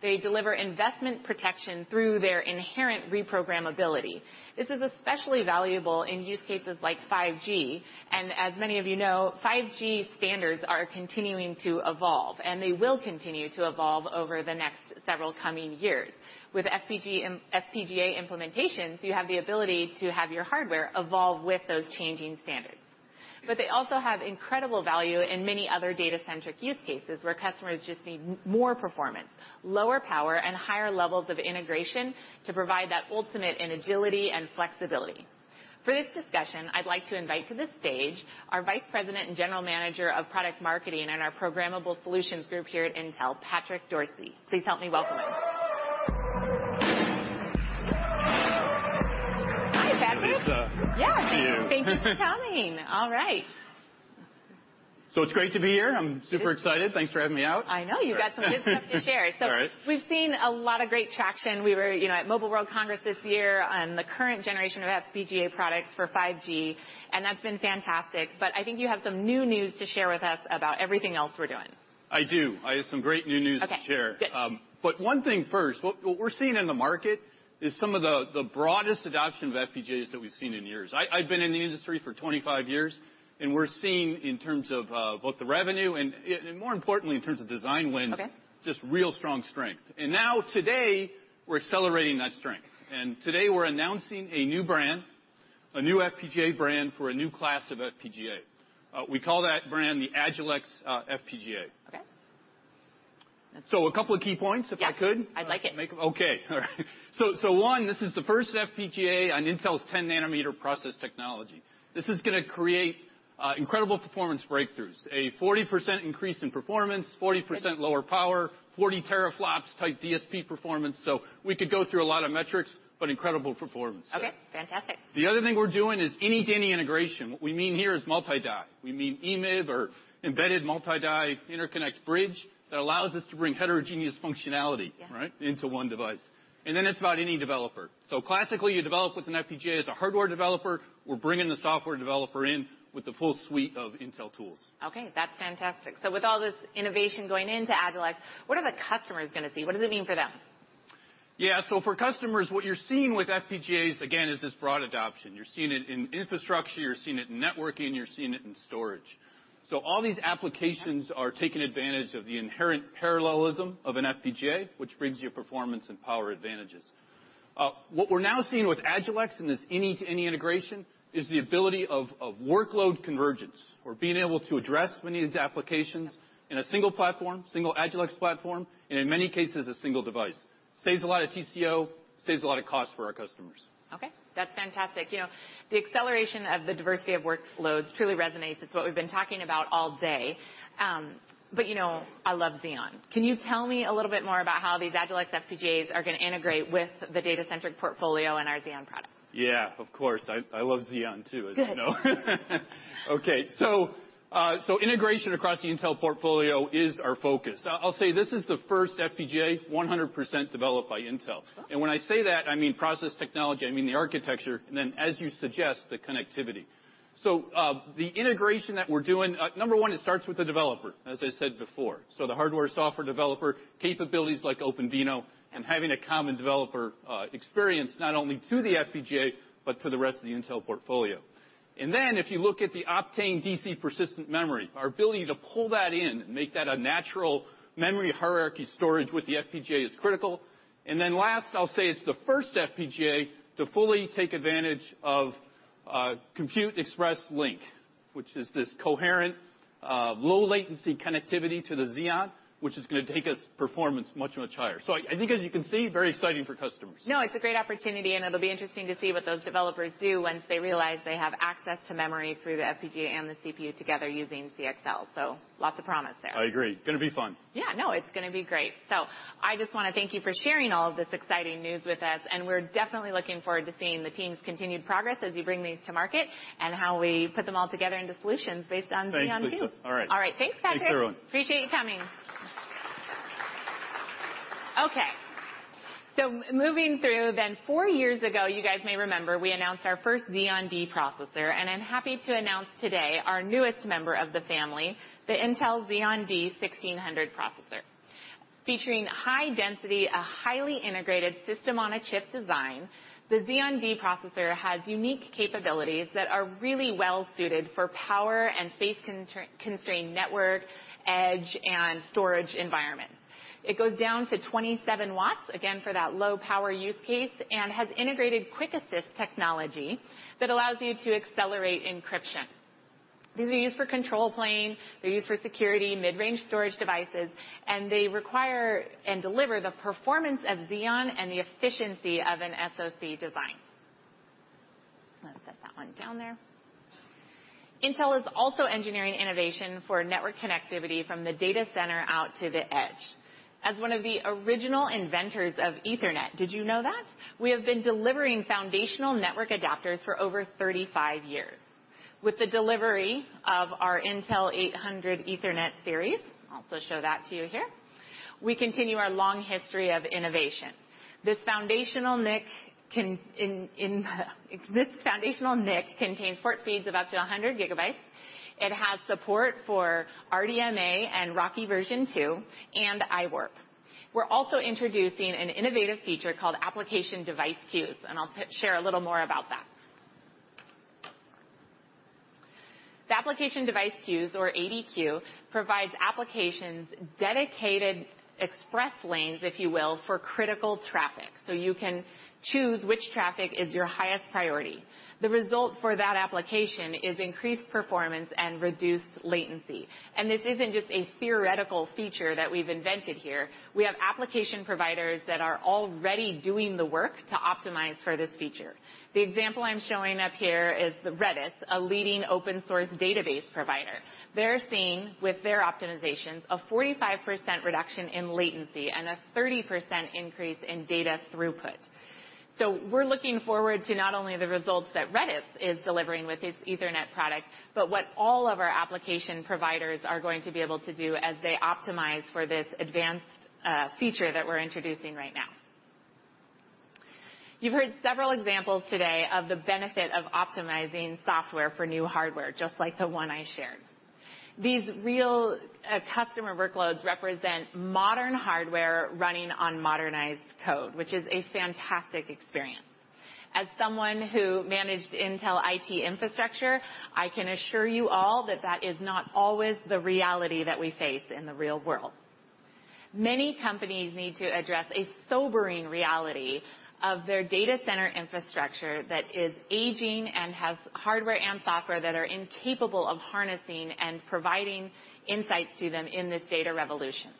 They deliver investment protection through their inherent reprogrammability. This is especially valuable in use cases like 5G. As many of you know, 5G standards are continuing to evolve, and they will continue to evolve over the next several coming years. With FPGA implementations, you have the ability to have your hardware evolve with those changing standards. They also have incredible value in many other data-centric use cases where customers just need more performance, lower power, and higher levels of integration to provide that ultimate in agility and flexibility. For this discussion, I'd like to invite to the stage our Vice President and General Manager of Product Marketing in our Programmable Solutions Group here at Intel, Patrick Dorsey. Please help me welcome him. Hi, Patrick. Hey, Lisa. Yeah. Thank you. Thank you for coming. All right. It's great to be here. I'm super excited. Thanks for having me out. I know. You've got some good stuff to share. All right. We've seen a lot of great traction. We were, you know, at Mobile World Congress this year on the current generation of FPGA products for 5G, and that's been fantastic. I think you have some new news to share with us about everything else we're doing. I do. I have some great new news to share. Okay, good. One thing first. What we're seeing in the market is some of the broadest adoption of FPGAs that we've seen in years. I've been in the industry for 25 years, we're seeing in terms of both the revenue and more importantly in terms of design wins. Okay just real strong strength. Now today, we're accelerating that strength. Today, we're announcing a new brand, a new FPGA brand for a new class of FPGA. We call that brand the Agilex FPGA. Okay. A couple of key points, if I could. Yeah, I'd like it. Make 'em. Okay. All right. One, this is the first FPGA on Intel's 10 nm process technology. This is gonna create incredible performance breakthroughs, a 40% increase in performance. Okay 40% lower power, 40 teraflops type DSP performance. We could go through a lot of metrics, but incredible performance. Okay, fantastic. The other thing we're doing is any-to-any integration. What we mean here is multi-die. We mean EMIB or Embedded Multi-die Interconnect Bridge that allows us to bring heterogeneous functionality. Yeah right? Into 1 device. It's about any developer. Classically, you develop with an FPGA as a hardware developer. We're bringing the software developer in with the full suite of Intel tools. Okay, that's fantastic. With all this innovation going into Agilex, what are the customers gonna see? What does it mean for them? Yeah. For customers, what you're seeing with FPGAs again is this broad adoption. You're seeing it in infrastructure, you're seeing it in networking, you're seeing it in storage. All these applications. Yeah are taking advantage of the inherent parallelism of an FPGA, which brings you performance and power advantages. What we're now seeing with Intel Agilex in this any-to-any integration is the ability of workload convergence. We're being able to address many of these applications in a single platform, single Intel Agilex platform, and in many cases, a single device. Saves a lot of TCO, saves a lot of costs for our customers. Okay, that's fantastic. You know, the acceleration of the diversity of workloads truly resonates. It's what we've been talking about all day. You know, I love Xeon. Can you tell me a little bit more about how these Agilex FPGAs are gonna integrate with the data-centric portfolio and our Xeon products? Yeah, of course. I love Xeon too, as you know. Good. Integration across the Intel portfolio is our focus. I'll say this is the first FPGA 100% developed by Intel. When I say that, I mean process technology, I mean the architecture, as you suggest, the connectivity. The integration that we're doing, number 1, it starts with the developer, as I said before. The hardware, software developer capabilities like OpenVINO and having a common developer experience, not only to the FPGA, but to the rest of the Intel portfolio. If you look at the Optane DC persistent memory, our ability to pull that in and make that a natural memory hierarchy storage with the FPGA is critical. Last, I'll say it's the first FPGA to fully take advantage of Compute Express Link, which is this coherent, low latency connectivity to the Xeon, which is gonna take us performance much, much higher. I think as you can see, very exciting for customers. No, it's a great opportunity. It'll be interesting to see what those developers do once they realize they have access to memory through the FPGA and the CPU together using CXL. Lots of promise there. I agree. Gonna be fun. Yeah, no, it's gonna be great. I just wanna thank you for sharing all of this exciting news with us, and we're definitely looking forward to seeing the team's continued progress as you bring these to market and how we put them all together into solutions based on Xeon too. Thanks, Lisa. All right. All right. Thanks, Patrick. Thanks, everyone. Appreciate you coming. Moving through then, four years ago, you guys may remember, we announced our first Xeon D processor, and I am happy to announce today our newest member of the family, the Intel Xeon D-1600 processor. Featuring high density, a highly integrated system on a chip design, the Xeon D processor has unique capabilities that are really well-suited for power and space constraint network, Edge, and storage environments. It goes down to 27 W, again, for that low power use case, and has integrated Intel QuickAssist technology that allows you to accelerate encryption. These are used for control plane, they are used for security, mid-range storage devices, and they require and deliver the performance of Xeon and the efficiency of an SoC design. Let me set that one down there. Intel is also engineering innovation for network connectivity from the data center out to the Edge. As one of the original inventors of Ethernet, did you know that? We have been delivering foundational network adapters for over 35 years. With the delivery of our Intel Ethernet 800 Series, I'll also show that to you here, we continue our long history of innovation. This foundational NIC contains port speeds of up to 100 Gb. It has support for RDMA and RoCE version 2 and iWARP. We're also introducing an innovative feature called Application Device Queues, and I'll share a little more about that. The Application Device Queues, or ADQ, provides applications dedicated express lanes, if you will, for critical traffic. You can choose which traffic is your highest priority. The result for that application is increased performance and reduced latency. This isn't just a theoretical feature that we've invented here. We have application providers that are already doing the work to optimize for this feature. The example I'm showing up here is the Redis, a leading open source database provider. They're seeing, with their optimizations, a 45% reduction in latency and a 30% increase in data throughput. We're looking forward to not only the results that Redis is delivering with its Ethernet product, but what all of our application providers are going to be able to do as they optimize for this advanced feature that we're introducing right now. You've heard several examples today of the benefit of optimizing software for new hardware, just like the one I shared. These real customer workloads represent modern hardware running on modernized code, which is a fantastic experience. As someone who managed Intel IT infrastructure, I can assure you all that that is not always the reality that we face in the real world. Many companies need to address a sobering reality of their data center infrastructure that is aging and has hardware and software that are incapable of harnessing and providing insights to them in this data revolution.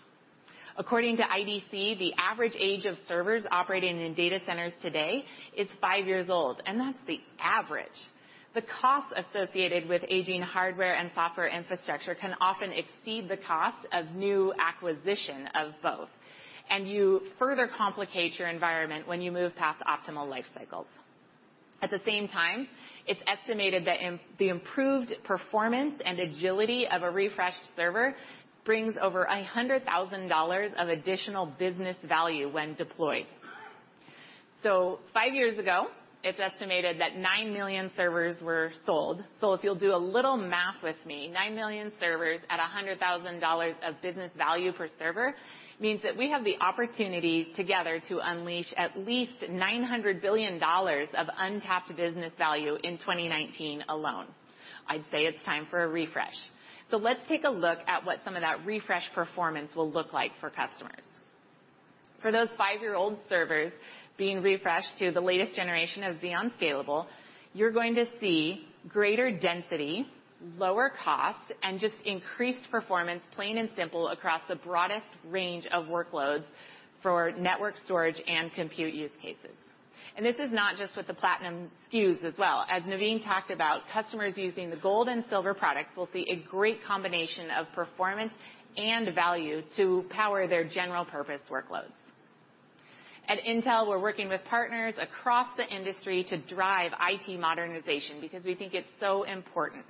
According to IDC, the average age of servers operating in data centers today is five years old, and that's the average. The cost associated with aging hardware and software infrastructure can often exceed the cost of new acquisition of both, and you further complicate your environment when you move past optimal life cycles. At the same time, it's estimated that the improved performance and agility of a refreshed server brings over $100,000 of additional business value when deployed. five years ago, it's estimated that 9 million servers were sold. If you'll do a little math with me, 9 million servers at $100,000 of business value per server means that we have the opportunity together to unleash at least $900 billion of untapped business value in 2019 alone. I'd say it's time for a refresh. Let's take a look at what some of that refresh performance will look like for customers. For those five year-old servers being refreshed to the latest generation of Xeon Scalable, you're going to see greater density, lower cost, and just increased performance, plain and simple, across the broadest range of workloads for network storage and compute use cases. This is not just with the Platinum SKUs as well. As Navin talked about, customers using the Gold and Silver products will see a great combination of performance and value to power their general purpose workloads. At Intel, we're working with partners across the industry to drive IT modernization because we think it's so important.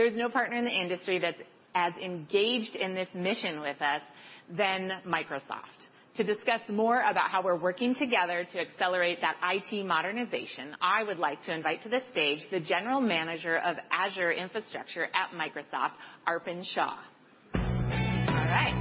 There's no partner in the industry that's as engaged in this mission with us than Microsoft. To discuss more about how we're working together to accelerate that IT modernization, I would like to invite to the stage the General Manager of Azure Infrastructure at Microsoft, Arpan Shah. All right.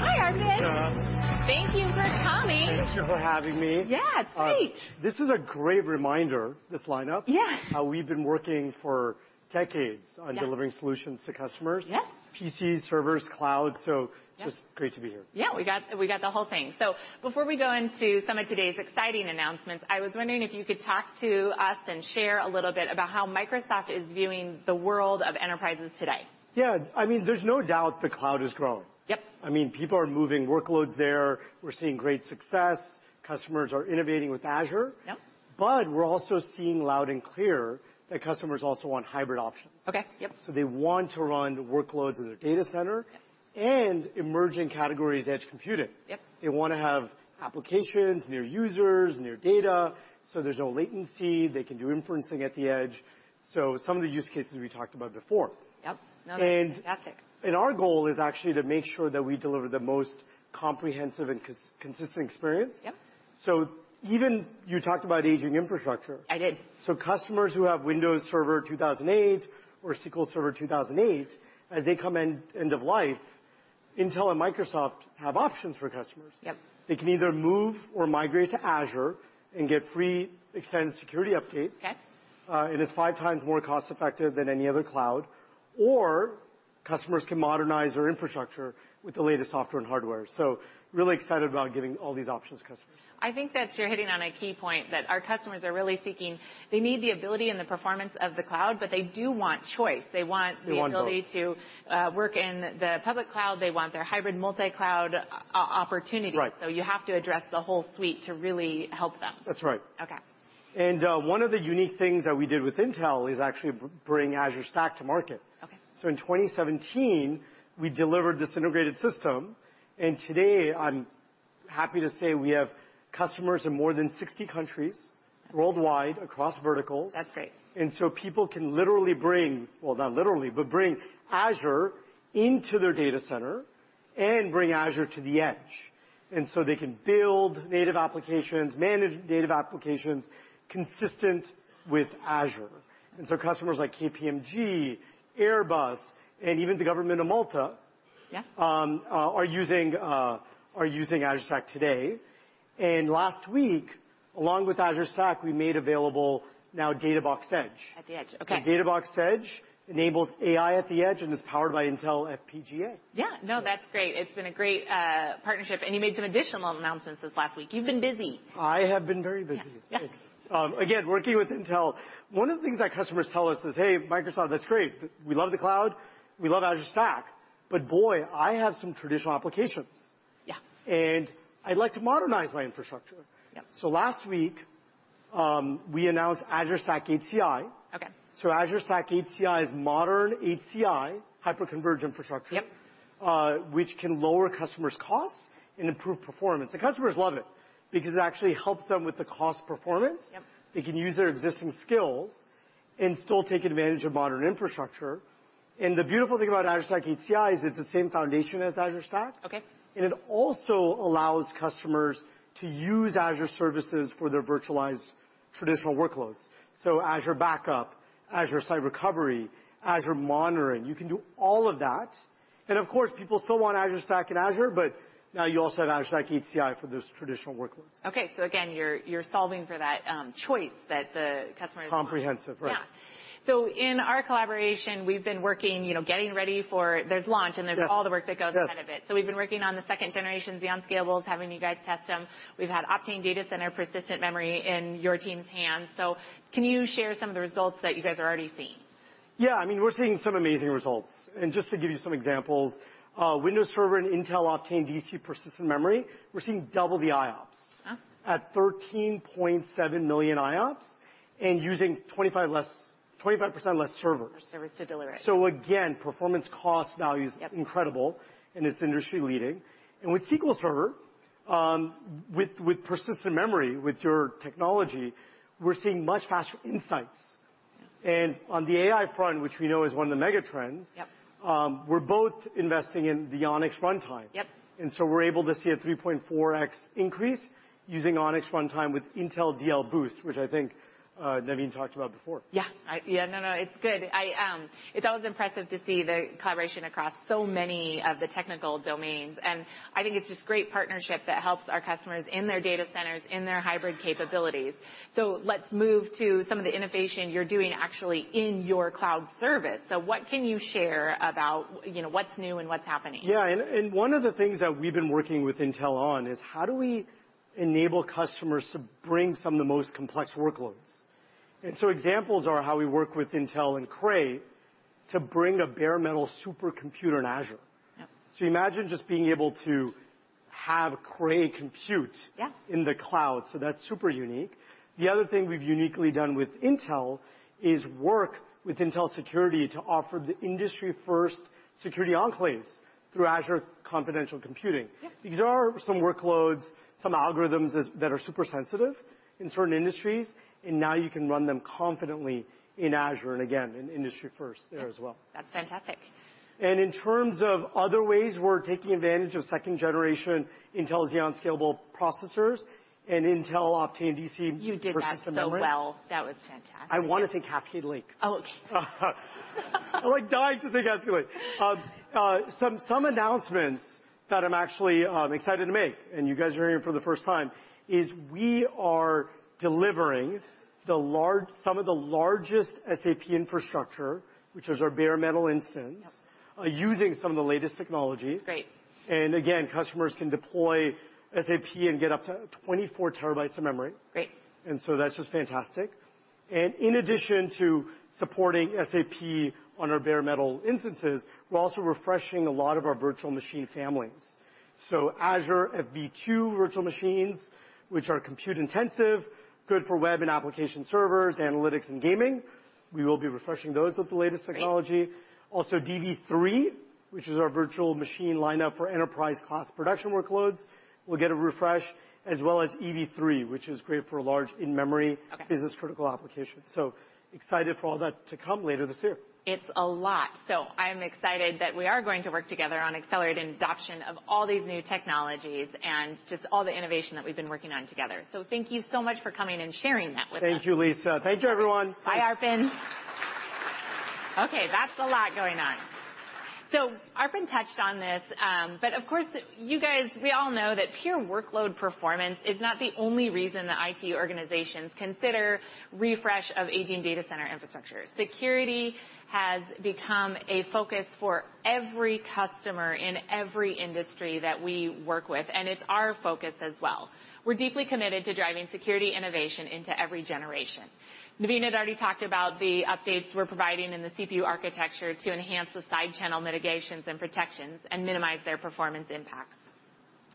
Hi, Arpan. Thank you for coming. Thank you for having me. Yeah, it's great. This is a great reminder, this lineup. Yes. How we've been working for decades. Yeah on delivering solutions to customers. Yes. PCs, servers, cloud. Yeah just great to be here. Yeah, we got the whole thing. Before we go into some of today's exciting announcements, I was wondering if you could talk to us and share a little bit about how Microsoft is viewing the world of enterprises today. I mean, there's no doubt the cloud has grown. Yep. I mean, people are moving workloads there. We're seeing great success. Customers are innovating with Azure. Yep. We're also seeing loud and clear that customers also want hybrid options. Okay. Yep. They want to run workloads in their data center. Yep emerging categories edge computing. Yep. They want to have applications, near users, near data, so there's no latency. They can do inferencing at the edge. These are some of the use cases we talked about before. Yep. No, that's fantastic. Our goal is actually to make sure that we deliver the most comprehensive and consistent experience. Yep. Even you talked about aging infrastructure. I did. Customers who have Windows Server 2008 or SQL Server 2008, as they come end of life, Intel and Microsoft have options for customers. Yep. They can either move or migrate to Azure and get free extended security updates. Okay. It's 5 times more cost effective than any other cloud. Customers can modernize their infrastructure with the latest software and hardware. Really excited about giving all these options to customers. I think that you're hitting on a key point, that our customers are really seeking. They need the ability and the performance of the cloud, but they do want choice. They want both. the ability to work in the public cloud. They want their hybrid multi-cloud opportunity. Right. You have to address the whole suite to really help them. That's right. Okay. One of the unique things that we did with Intel is actually bring Azure Stack to market. Okay. In 2017, we delivered this integrated system, and today, I'm happy to say we have customers in more than 60 countries worldwide across verticals. That's great. People can literally bring, well, not literally, but bring Azure into their data center and bring Azure to the edge. They can build native applications, manage native applications consistent with Azure. Customers like KPMG, Airbus, and even the government of Malta. Yeah are using Azure Stack today. Last week, along with Azure Stack, we made available now Data Box Edge. At the edge, okay. Data Box Edge enables AI at the edge and is powered by Intel FPGA. Yeah. No, that's great. It's been a great partnership. You made some additional announcements this last week. You've been busy. I have been very busy. Yeah. Thanks. Again, working with Intel, one of the things that customers tell us is, "Hey, Microsoft, that's great. We love the cloud. We love Azure Stack. Boy, I have some traditional applications. Yeah. I'd like to modernize my infrastructure. Yep. Last week, we announced Azure Stack HCI. Okay. Azure Stack HCI is modern HCI, hyperconverged infrastructure. Yep which can lower customers' costs and improve performance. Customers love it because it actually helps them with the cost performance. Yep. They can use their existing skills and still take advantage of modern infrastructure. The beautiful thing about Azure Stack HCI is it's the same foundation as Azure Stack. Okay. It also allows customers to use Azure services for their virtualized traditional workloads. Azure Backup, Azure Site Recovery, Azure Monitor, you can do all of that. Of course, people still want Azure Stack and Azure, but now you also have Azure Stack HCI for those traditional workloads. Okay. Again, you're solving for that, choice that the customer is- Comprehensive, right. Yeah. In our collaboration, we've been working, you know, getting ready for. Yes There's all the work that goes ahead of it. Yes. We've been working on the second generation Xeon Scalables, having you guys test them. We've had Optane Data Center Persistent Memory in your team's hands. Can you share some of the results that you guys are already seeing? Yeah. I mean, we're seeing some amazing results. Just to give you some examples, Windows Server and Intel Optane DC persistent memory, we're seeing double the IOPS. Oh. At 13.7 million IOPS, and using 25% less servers. Less servers to deliver it. again, performance cost value is. Yep incredible, it's industry-leading. With SQL Server, with persistent memory, with your technology, we're seeing much faster insights. On the AI front, which we know is one of the mega trends. Yep We're both investing in the ONNX Runtime. Yep. We're able to see a 3.4x increase using ONNX Runtime with Intel DL Boost, which I think, Navin talked about before. Yeah. I, yeah, no, it's good. I, it's always impressive to see the collaboration across so many of the technical domains. I think it's just great partnership that helps our customers in their data centers, in their hybrid capabilities. Let's move to some of the innovation you're doing actually in your cloud service. What can you share about, you know, what's new and what's happening. One of the things that we've been working with Intel on is how do we enable customers to bring some of the most complex workloads? Examples are how we work with Intel and Cray to bring a bare metal supercomputer in Azure. Yep. imagine just being able to have Cray. Yeah in the cloud, so that's super unique. The other thing we've uniquely done with Intel is work with Intel Security to offer the industry first security enclaves through Azure Confidential Computing. Yeah. There are some workloads, some algorithms that are super sensitive in certain industries, and now you can run them confidently in Azure, and again, an industry first there as well. That's fantastic. In terms of other ways we're taking advantage of second generation Intel Xeon Scalable processors and Intel Optane DC Persistent Memory. You did that so well. That was fantastic. I wanted to say Cascade Lake. Oh, okay. I like dying to say Cascade Lake. Some announcements that I'm actually excited to make, and you guys are hearing it for the first time, is we are delivering some of the largest SAP infrastructure, which is our bare metal instance. Yep using some of the latest technologies. Great. Again, customers can deploy SAP and get up to 24 TB of memory. Great. That's just fantastic. In addition to supporting SAP on our bare metal instances, we're also refreshing a lot of our virtual machine families. Azure V2 virtual machines, which are compute intensive, good for web and application servers, analytics and gaming, we will be refreshing those with the latest technology. Great. Dv3-series, which is our virtual machine lineup for enterprise class production workloads, will get a refresh, as well as Ev3-series, which is great for large in-memory. Okay business-critical applications. Excited for all that to come later this year. It's a lot. I'm excited that we are going to work together on accelerating adoption of all these new technologies and just all the innovation that we've been working on together. Thank you so much for coming and sharing that with us. Thank you, Lisa. Thank you, everyone. Bye, Arpan Shah. Okay, that's a lot going on. Arpan Shah touched on this, but of course, you guys, we all know that pure workload performance is not the only reason that IT organizations consider refresh of aging data center infrastructure. Security has become a focus for every customer in every industry that we work with, and it's our focus as well. We're deeply committed to driving security innovation into every generation. Navin Shenoy had already talked about the updates we're providing in the CPU architecture to enhance the side channel mitigations and protections and minimize their performance impacts.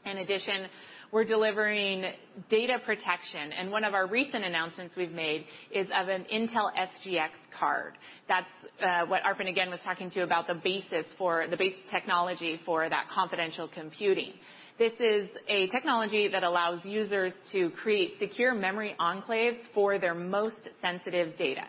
In addition, we're delivering data protection, and one of our recent announcements we've made is of an Intel SGX card. That's what Arpan Shah, again, was talking to you about the basic technology for that confidential computing. This is a technology that allows users to create secure memory enclaves for their most sensitive data.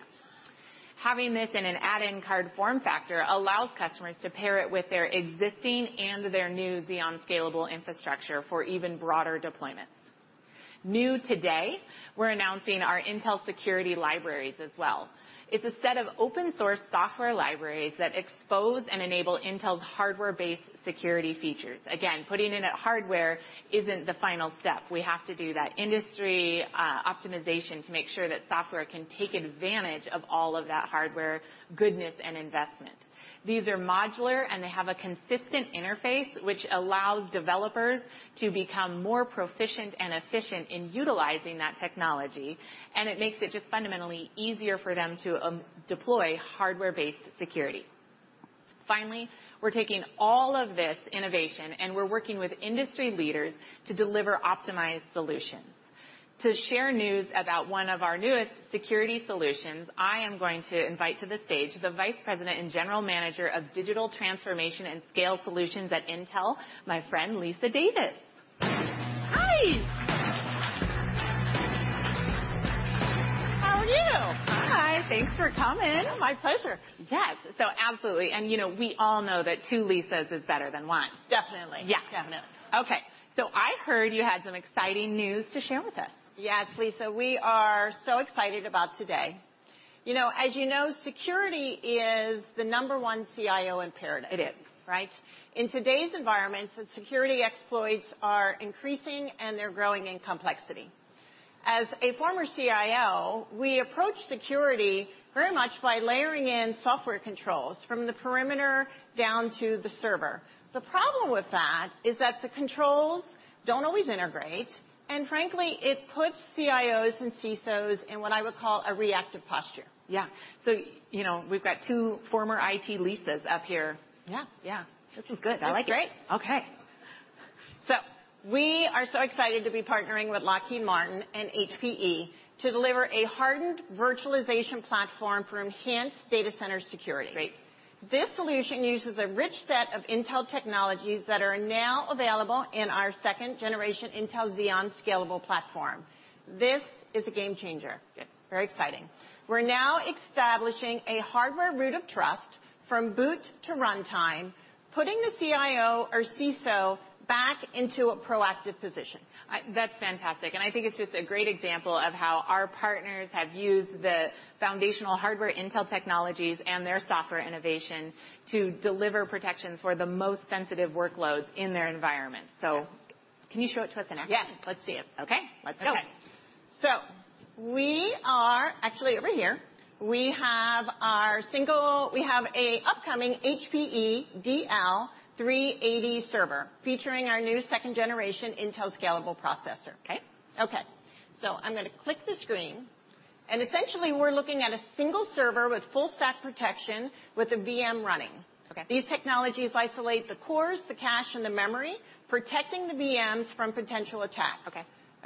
Having this in an add-in card form factor allows customers to pair it with their existing and their new Xeon Scalable infrastructure for even broader deployments. New today, we're announcing our Intel Security Libraries as well. It's a set of open source software libraries that expose and enable Intel's hardware-based security features. Again, putting it in a hardware isn't the final step. We have to do that industry optimization to make sure that software can take advantage of all of that hardware goodness and investment. These are modular, and they have a consistent interface, which allows developers to become more proficient and efficient in utilizing that technology, and it makes it just fundamentally easier for them to deploy hardware-based security. Finally, we're taking all of this innovation, and we're working with industry leaders to deliver optimized solutions. To share news about one of our newest security solutions, I am going to invite to the stage the Vice President and General Manager of Digital Transformation and Scale Solutions at Intel, my friend, Lisa Davis. Hi. How are you? Hi. Thanks for coming. My pleasure. Yes. Absolutely, and, you know, we all know that two Lisas is better than one. Definitely. Yeah. Definitely. Okay. I heard you had some exciting news to share with us. Yes, Lisa. We are so excited about today. You know, as you know, security is the number 1 CIO imperative. It is. Right? In today's environment, security exploits are increasing, and they're growing in complexity. As a former CIO, we approach security very much by layering in software controls from the perimeter down to the server. The problem with that is that the controls don't always integrate, and frankly, it puts CIOs and CSOs in what I would call a reactive posture. Yeah. You know, we've got two former IT Lisas up here. Yeah. Yeah. This is good. I like it. This is great. Okay. We are so excited to be partnering with Lockheed Martin and HPE to deliver a hardened virtualization platform for enhanced data center security. Great. This solution uses a rich set of Intel technologies that are now available in our 2nd-generation Intel Xeon Scalable platform. This is a game changer. Good. Very exciting. We're now establishing a hardware root of trust from boot to runtime, putting the CIO or CISO back into a proactive position. That's fantastic, and I think it's just a great example of how our partners have used the foundational hardware Intel technologies and their software innovation to deliver protections for the most sensitive workloads in their environment. Yes. Can you show it to us in action? Yes. Let's see it. Okay. Let's go. We are Actually, over here. We have a upcoming HPE DL380 server featuring our new second-generation Intel Scalable processor. Okay. Okay. I'm gonna click the screen, and essentially we're looking at a single server with full stack protection with a VM running. Okay. These technologies isolate the cores, the cache, and the memory, protecting the VMs from potential attacks. Okay. A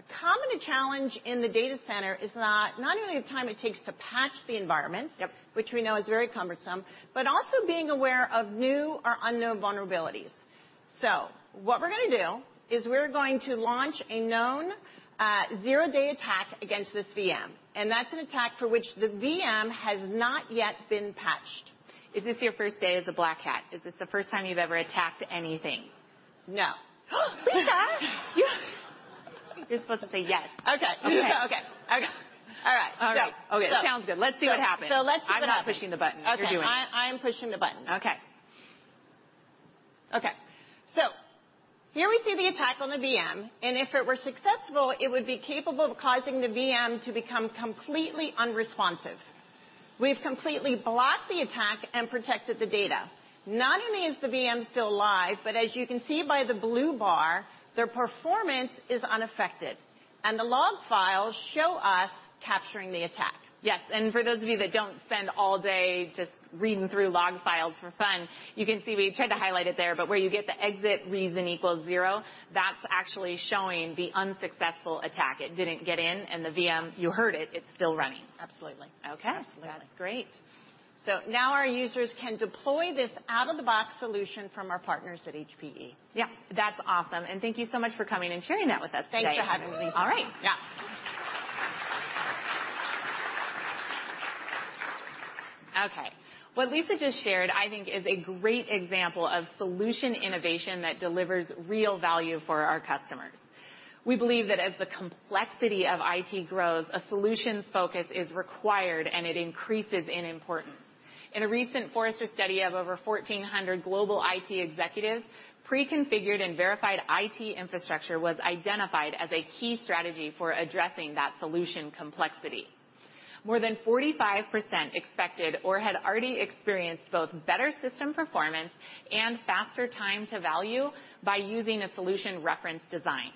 common challenge in the data center is not only the time it takes to patch the environments. Yep which we know is very cumbersome, but also being aware of new or unknown vulnerabilities. What we're gonna do is we're going to launch a known zero-day attack against this VM, and that's an attack for which the VM has not yet been patched. Is this your first day as a black hat? Is this the first time you've ever attacked anything? No. Lisa. You're supposed to say yes. Okay. Okay. Okay. Okay. All right. All right. So- Okay, sounds good. Let's see what happens. Let's see what happens. I'm not pushing the button. Okay. You're doing it. I am pushing the button. Okay. Okay. Here we see the attack on the VM, and if it were successful, it would be capable of causing the VM to become completely unresponsive. We've completely blocked the attack and protected the data. Not only is the VM still alive, but as you can see by the blue bar, their performance is unaffected, and the log files show us capturing the attack. Yes, for those of you that don't spend all day just reading through log files for fun, you can see we tried to highlight it there, where you get the exit reason equals zero, that's actually showing the unsuccessful attack. It didn't get in, the VM, you heard it's still running. Absolutely. Okay. Absolutely. That's great. Now our users can deploy this out-of-the-box solution from our partners at HPE. Yeah. That's awesome, and thank you so much for coming and sharing that with us today. Thanks for having me, Lisa. All right. Yeah. Okay. What Lisa just shared, I think is a great example of solution innovation that delivers real value for our customers. We believe that as the complexity of IT grows, a solutions focus is required, and it increases in importance. In a recent Forrester study of over 1,400 global IT executives, pre-configured and verified IT infrastructure was identified as a key strategy for addressing that solution complexity. More than 45% expected or had already experienced both better system performance and faster time to value by using a solution reference design.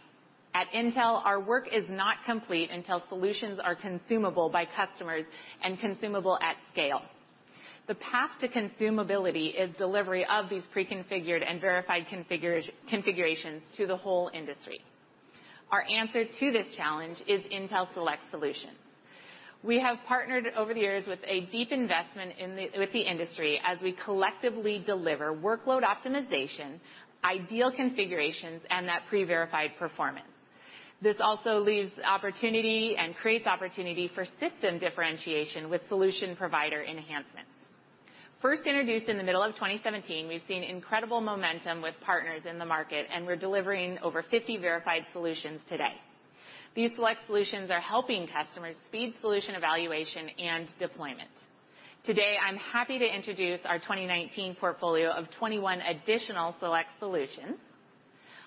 At Intel, our work is not complete until solutions are consumable by customers and consumable at scale. The path to consumability is delivery of these pre-configured and verified configurations to the whole industry. Our answer to this challenge is Intel Select Solutions. We have partnered over the years with a deep investment with the industry as we collectively deliver workload optimization, ideal configurations, and that pre-verified performance. This also leaves opportunity and creates opportunity for system differentiation with solution provider enhancements. First introduced in the middle of 2017, we've seen incredible momentum with partners in the market, and we're delivering over 50 verified solutions today. These Select Solutions are helping customers speed solution evaluation and deployment. Today, I'm happy to introduce our 2019 portfolio of 21 additional Select Solutions.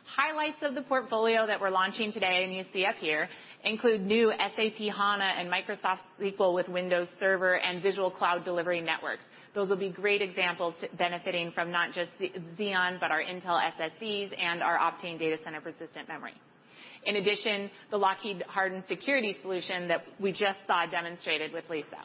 Highlights of the portfolio that we're launching today, and you see up here, include new SAP HANA and Microsoft SQL with Windows Server and Visual Cloud Delivery Networks. Those will be great examples to benefiting from not just the Xeon, but our Intel SSEs and our Optane Data Center Persistent Memory. The Lockheed hardened security solution that we just saw demonstrated with Lisa.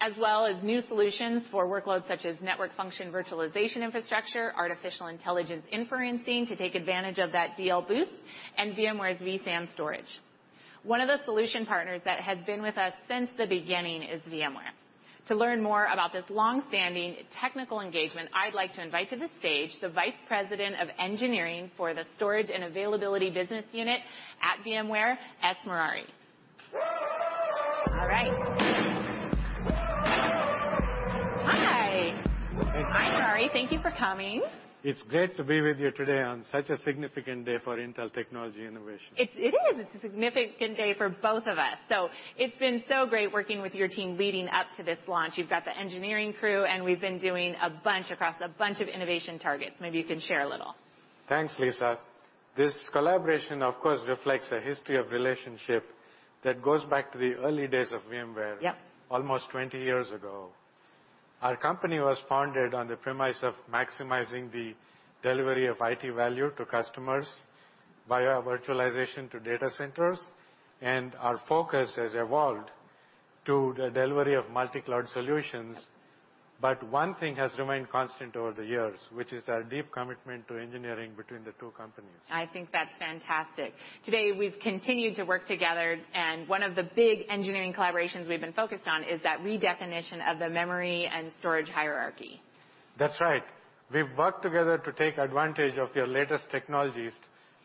As well as new solutions for workloads such as network function virtualization infrastructure, artificial intelligence inferencing to take advantage of that DL Boost and VMware's vSAN storage. One of the solution partners that has been with us since the beginning is VMware. To learn more about this long-standing technical engagement, I'd like to invite to the stage the Vice President of Engineering for the Storage and Availability Business Unit at VMware, Mohan Potheri. All right. Hi. Thank you. Hi, Mohan Potheri. Thank you for coming. It's great to be with you today on such a significant day for Intel technology innovation. It's a significant day for both of us. It's been so great working with your team leading up to this launch. You've got the engineering crew, and we've been doing a bunch across a bunch of innovation targets. Maybe you can share a little. Thanks, Lisa. This collaboration, of course, reflects a history of relationship that goes back to the early days of VMware. Yep almost 20 years ago. Our company was founded on the premise of maximizing the delivery of IT value to customers via virtualization to data centers, and our focus has evolved to the delivery of multi-cloud solutions. One thing has remained constant over the years, which is our deep commitment to engineering between the two companies. I think that's fantastic. Today, we've continued to work together, and one of the big engineering collaborations we've been focused on is that redefinition of the memory and storage hierarchy. That's right. We've worked together to take advantage of your latest technologies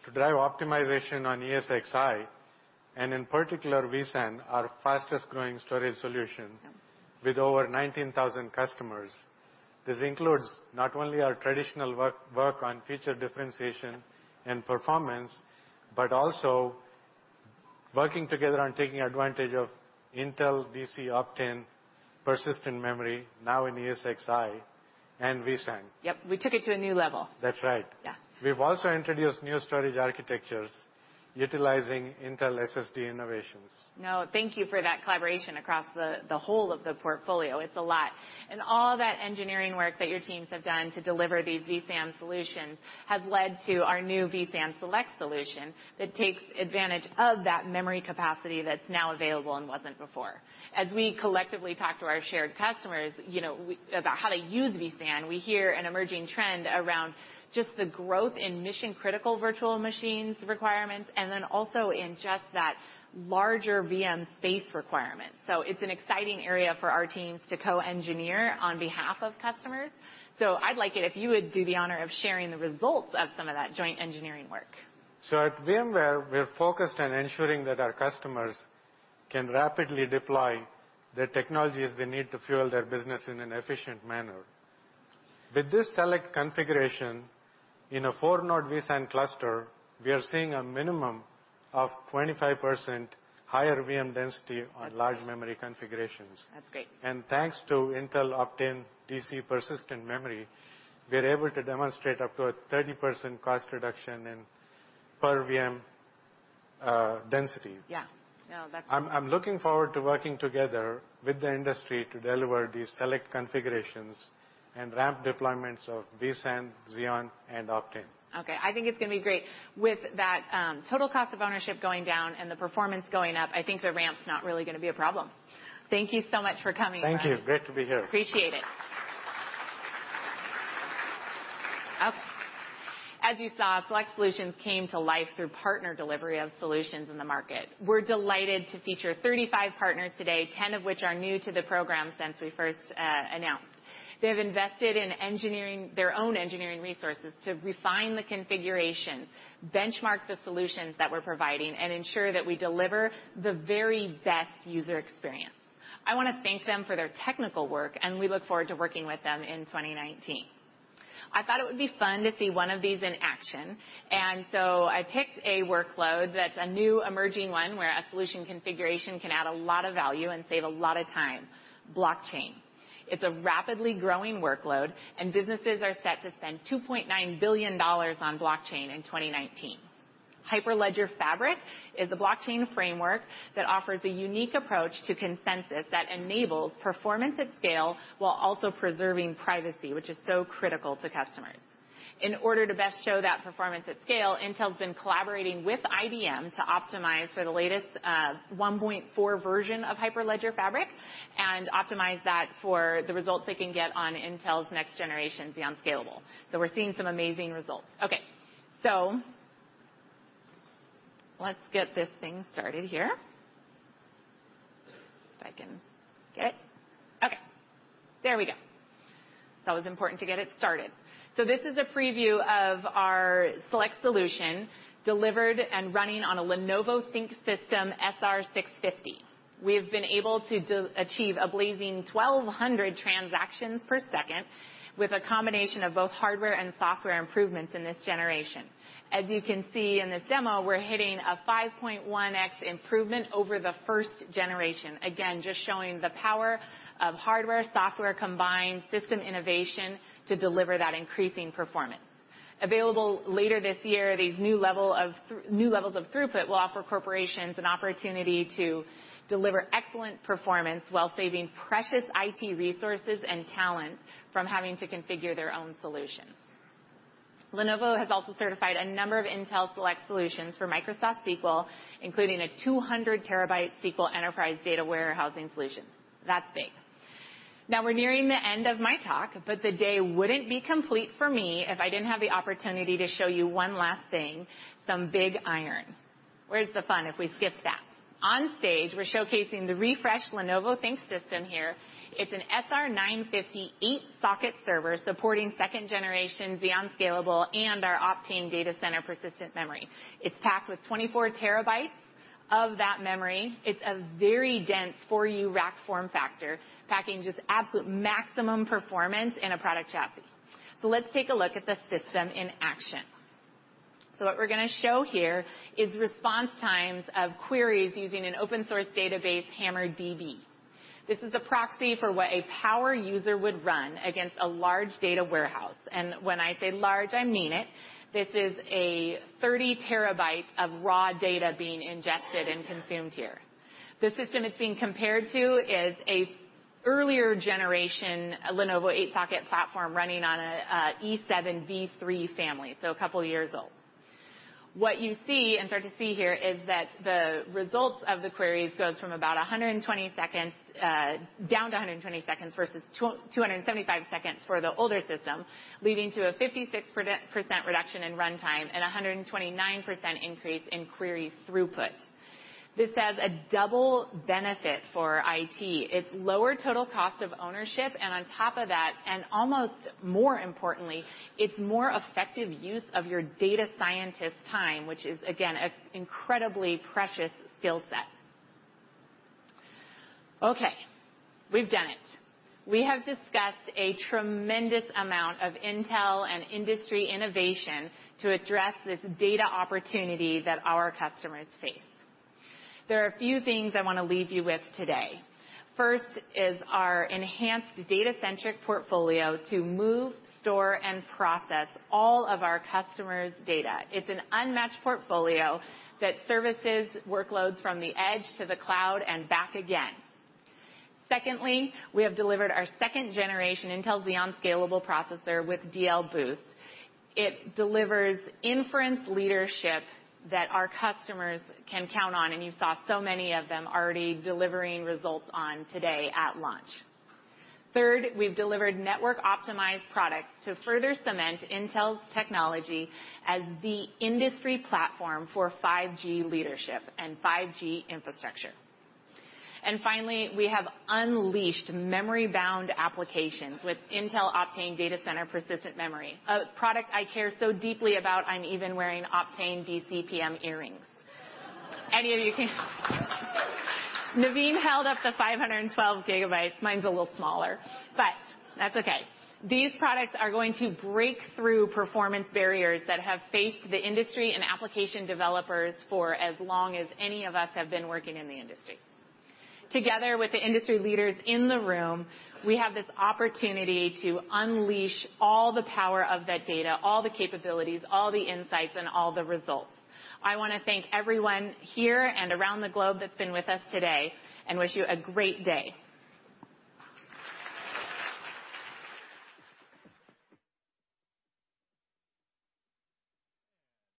to drive optimization on ESXi, and in particular, vSAN, our fastest-growing storage solution. Yep with over 19,000 customers. This includes not only our traditional work on feature differentiation and performance, but also working together on taking advantage of Intel Optane DC Persistent Memory now in ESXi and vSAN. Yep, we took it to a new level. That's right. Yeah. We've also introduced new storage architectures utilizing Intel SSD innovations. No, thank you for that collaboration across the whole of the portfolio. It's a lot. All that engineering work that your teams have done to deliver these vSAN solutions has led to our new vSAN select solution that takes advantage of that memory capacity that's now available and wasn't before. As we collectively talk to our shared customers, you know, about how to use vSAN, we hear an emerging trend around just the growth in mission-critical virtual machines requirements and then also in just that larger VM space requirement. It's an exciting area for our teams to co-engineer on behalf of customers. I'd like it if you would do the honor of sharing the results of some of that joint engineering work. At VMware, we're focused on ensuring that our customers can rapidly deploy the technologies they need to fuel their business in an efficient manner. With this select configuration in a four-node vSAN cluster, we are seeing a minimum of 25% higher VM density. That's great. -on large memory configurations. That's great. Thanks to Intel Optane DC Persistent Memory, we're able to demonstrate up to a 30% cost reduction in per VM density. Yeah. No. I'm looking forward to working together with the industry to deliver these select configurations and ramp deployments of vSAN, Xeon, and Optane. Okay, I think it's gonna be great. With that, total cost of ownership going down and the performance going up, I think the ramp's not really gonna be a problem. Thank you so much for coming. Thank you. Great to be here. Appreciate it. As you saw, Select Solutions came to life through partner delivery of solutions in the market. We're delighted to feature 35 partners today, 10 of which are new to the program since we first announced. They have invested in their own engineering resources to refine the configurations, benchmark the solutions that we're providing, and ensure that we deliver the very best user experience. I wanna thank them for their technical work, and we look forward to working with them in 2019. I thought it would be fun to see one of these in action. I picked a workload that's a new emerging one where a solution configuration can add a lot of value and save a lot of time: blockchain. It's a rapidly growing workload. Businesses are set to spend $2.9 billion on blockchain in 2019. Hyperledger Fabric is a blockchain framework that offers a unique approach to consensus that enables performance at scale while also preserving privacy, which is so critical to customers. In order to best show that performance at scale, Intel's been collaborating with IBM to optimize for the latest 1.4 version of Hyperledger Fabric and optimize that for the results they can get on Intel's next generation Xeon Scalable. We're seeing some amazing results. Let's get this thing started here. If I can get it. There we go. It's always important to get it started. This is a preview of our Select Solution delivered and running on a Lenovo ThinkSystem SR650. We have been able to achieve a blazing 1,200 transactions per second with a combination of both hardware and software improvements in this generation. As you can see in this demo, we're hitting a 5.1x improvement over the 1st generation. Just showing the power of hardware, software combined, system innovation to deliver that increasing performance. Available later this year, these new levels of throughput will offer corporations an opportunity to deliver excellent performance while saving precious IT resources and talent from having to configure their own solutions. Lenovo has also certified a number of Intel Select Solutions for Microsoft SQL, including a 200 TB SQL enterprise data warehousing solution. That's big. We're nearing the end of my talk, the day wouldn't be complete for me if I didn't have the opportunity to show you one last thing, some big iron. Where's the fun if we skip that? On stage, we're showcasing the refreshed Lenovo ThinkSystem here. It's an SR950 8-socket server supporting second generation Xeon Scalable and our Optane DC Persistent Memory. It's packed with 24 TB of that memory. It's a very dense 4U rack form factor, packing just absolute maximum performance in a product chassis. Let's take a look at the system in action. What we're gonna show here is response times of queries using an open source database, HammerDB. This is a proxy for what a power user would run against a large data warehouse, and when I say large, I mean it. This is a 30 TB of raw data being ingested and consumed here. The system it's being compared to is a earlier generation, a Lenovo 8-socket platform running on a E7 v3 family, so a couple years old. What you see and start to see here is that the results of the queries goes down to 120 seconds versus 275 seconds for the older system, leading to a 56% reduction in runtime and a 129% increase in query throughput. This has a double benefit for IT. It's lower total cost of ownership, and on top of that, and almost more importantly, it's more effective use of your data scientist's time, which is, again, an incredibly precious skill set. Okay, we've done it. We have discussed a tremendous amount of Intel and industry innovation to address this data opportunity that our customers face. There are a few things I want to leave you with today. First is our enhanced data-centric portfolio to move, store, and process all of our customers' data. It's an unmatched portfolio that services workloads from the edge to the cloud and back again. Secondly, we have delivered our second generation Intel Xeon Scalable processor with DL Boost. It delivers inference leadership that our customers can count on, and you saw so many of them already delivering results on today at launch. Third, we've delivered network-optimized products to further cement Intel technology as the industry platform for 5G leadership and 5G infrastructure. Finally, we have unleashed memory-bound applications with Intel Optane DC Persistent Memory, a product I care so deeply about, I'm even wearing Optane DCPM earrings. Any of you can Navin Shenoy held up the 512 GB. Mine's a little smaller, but that's okay. These products are going to break through performance barriers that have faced the industry and application developers for as long as any of us have been working in the industry. Together with the industry leaders in the room, we have this opportunity to unleash all the power of that data, all the capabilities, all the insights, and all the results. I wanna thank everyone here and around the globe that's been with us today and wish you a great day.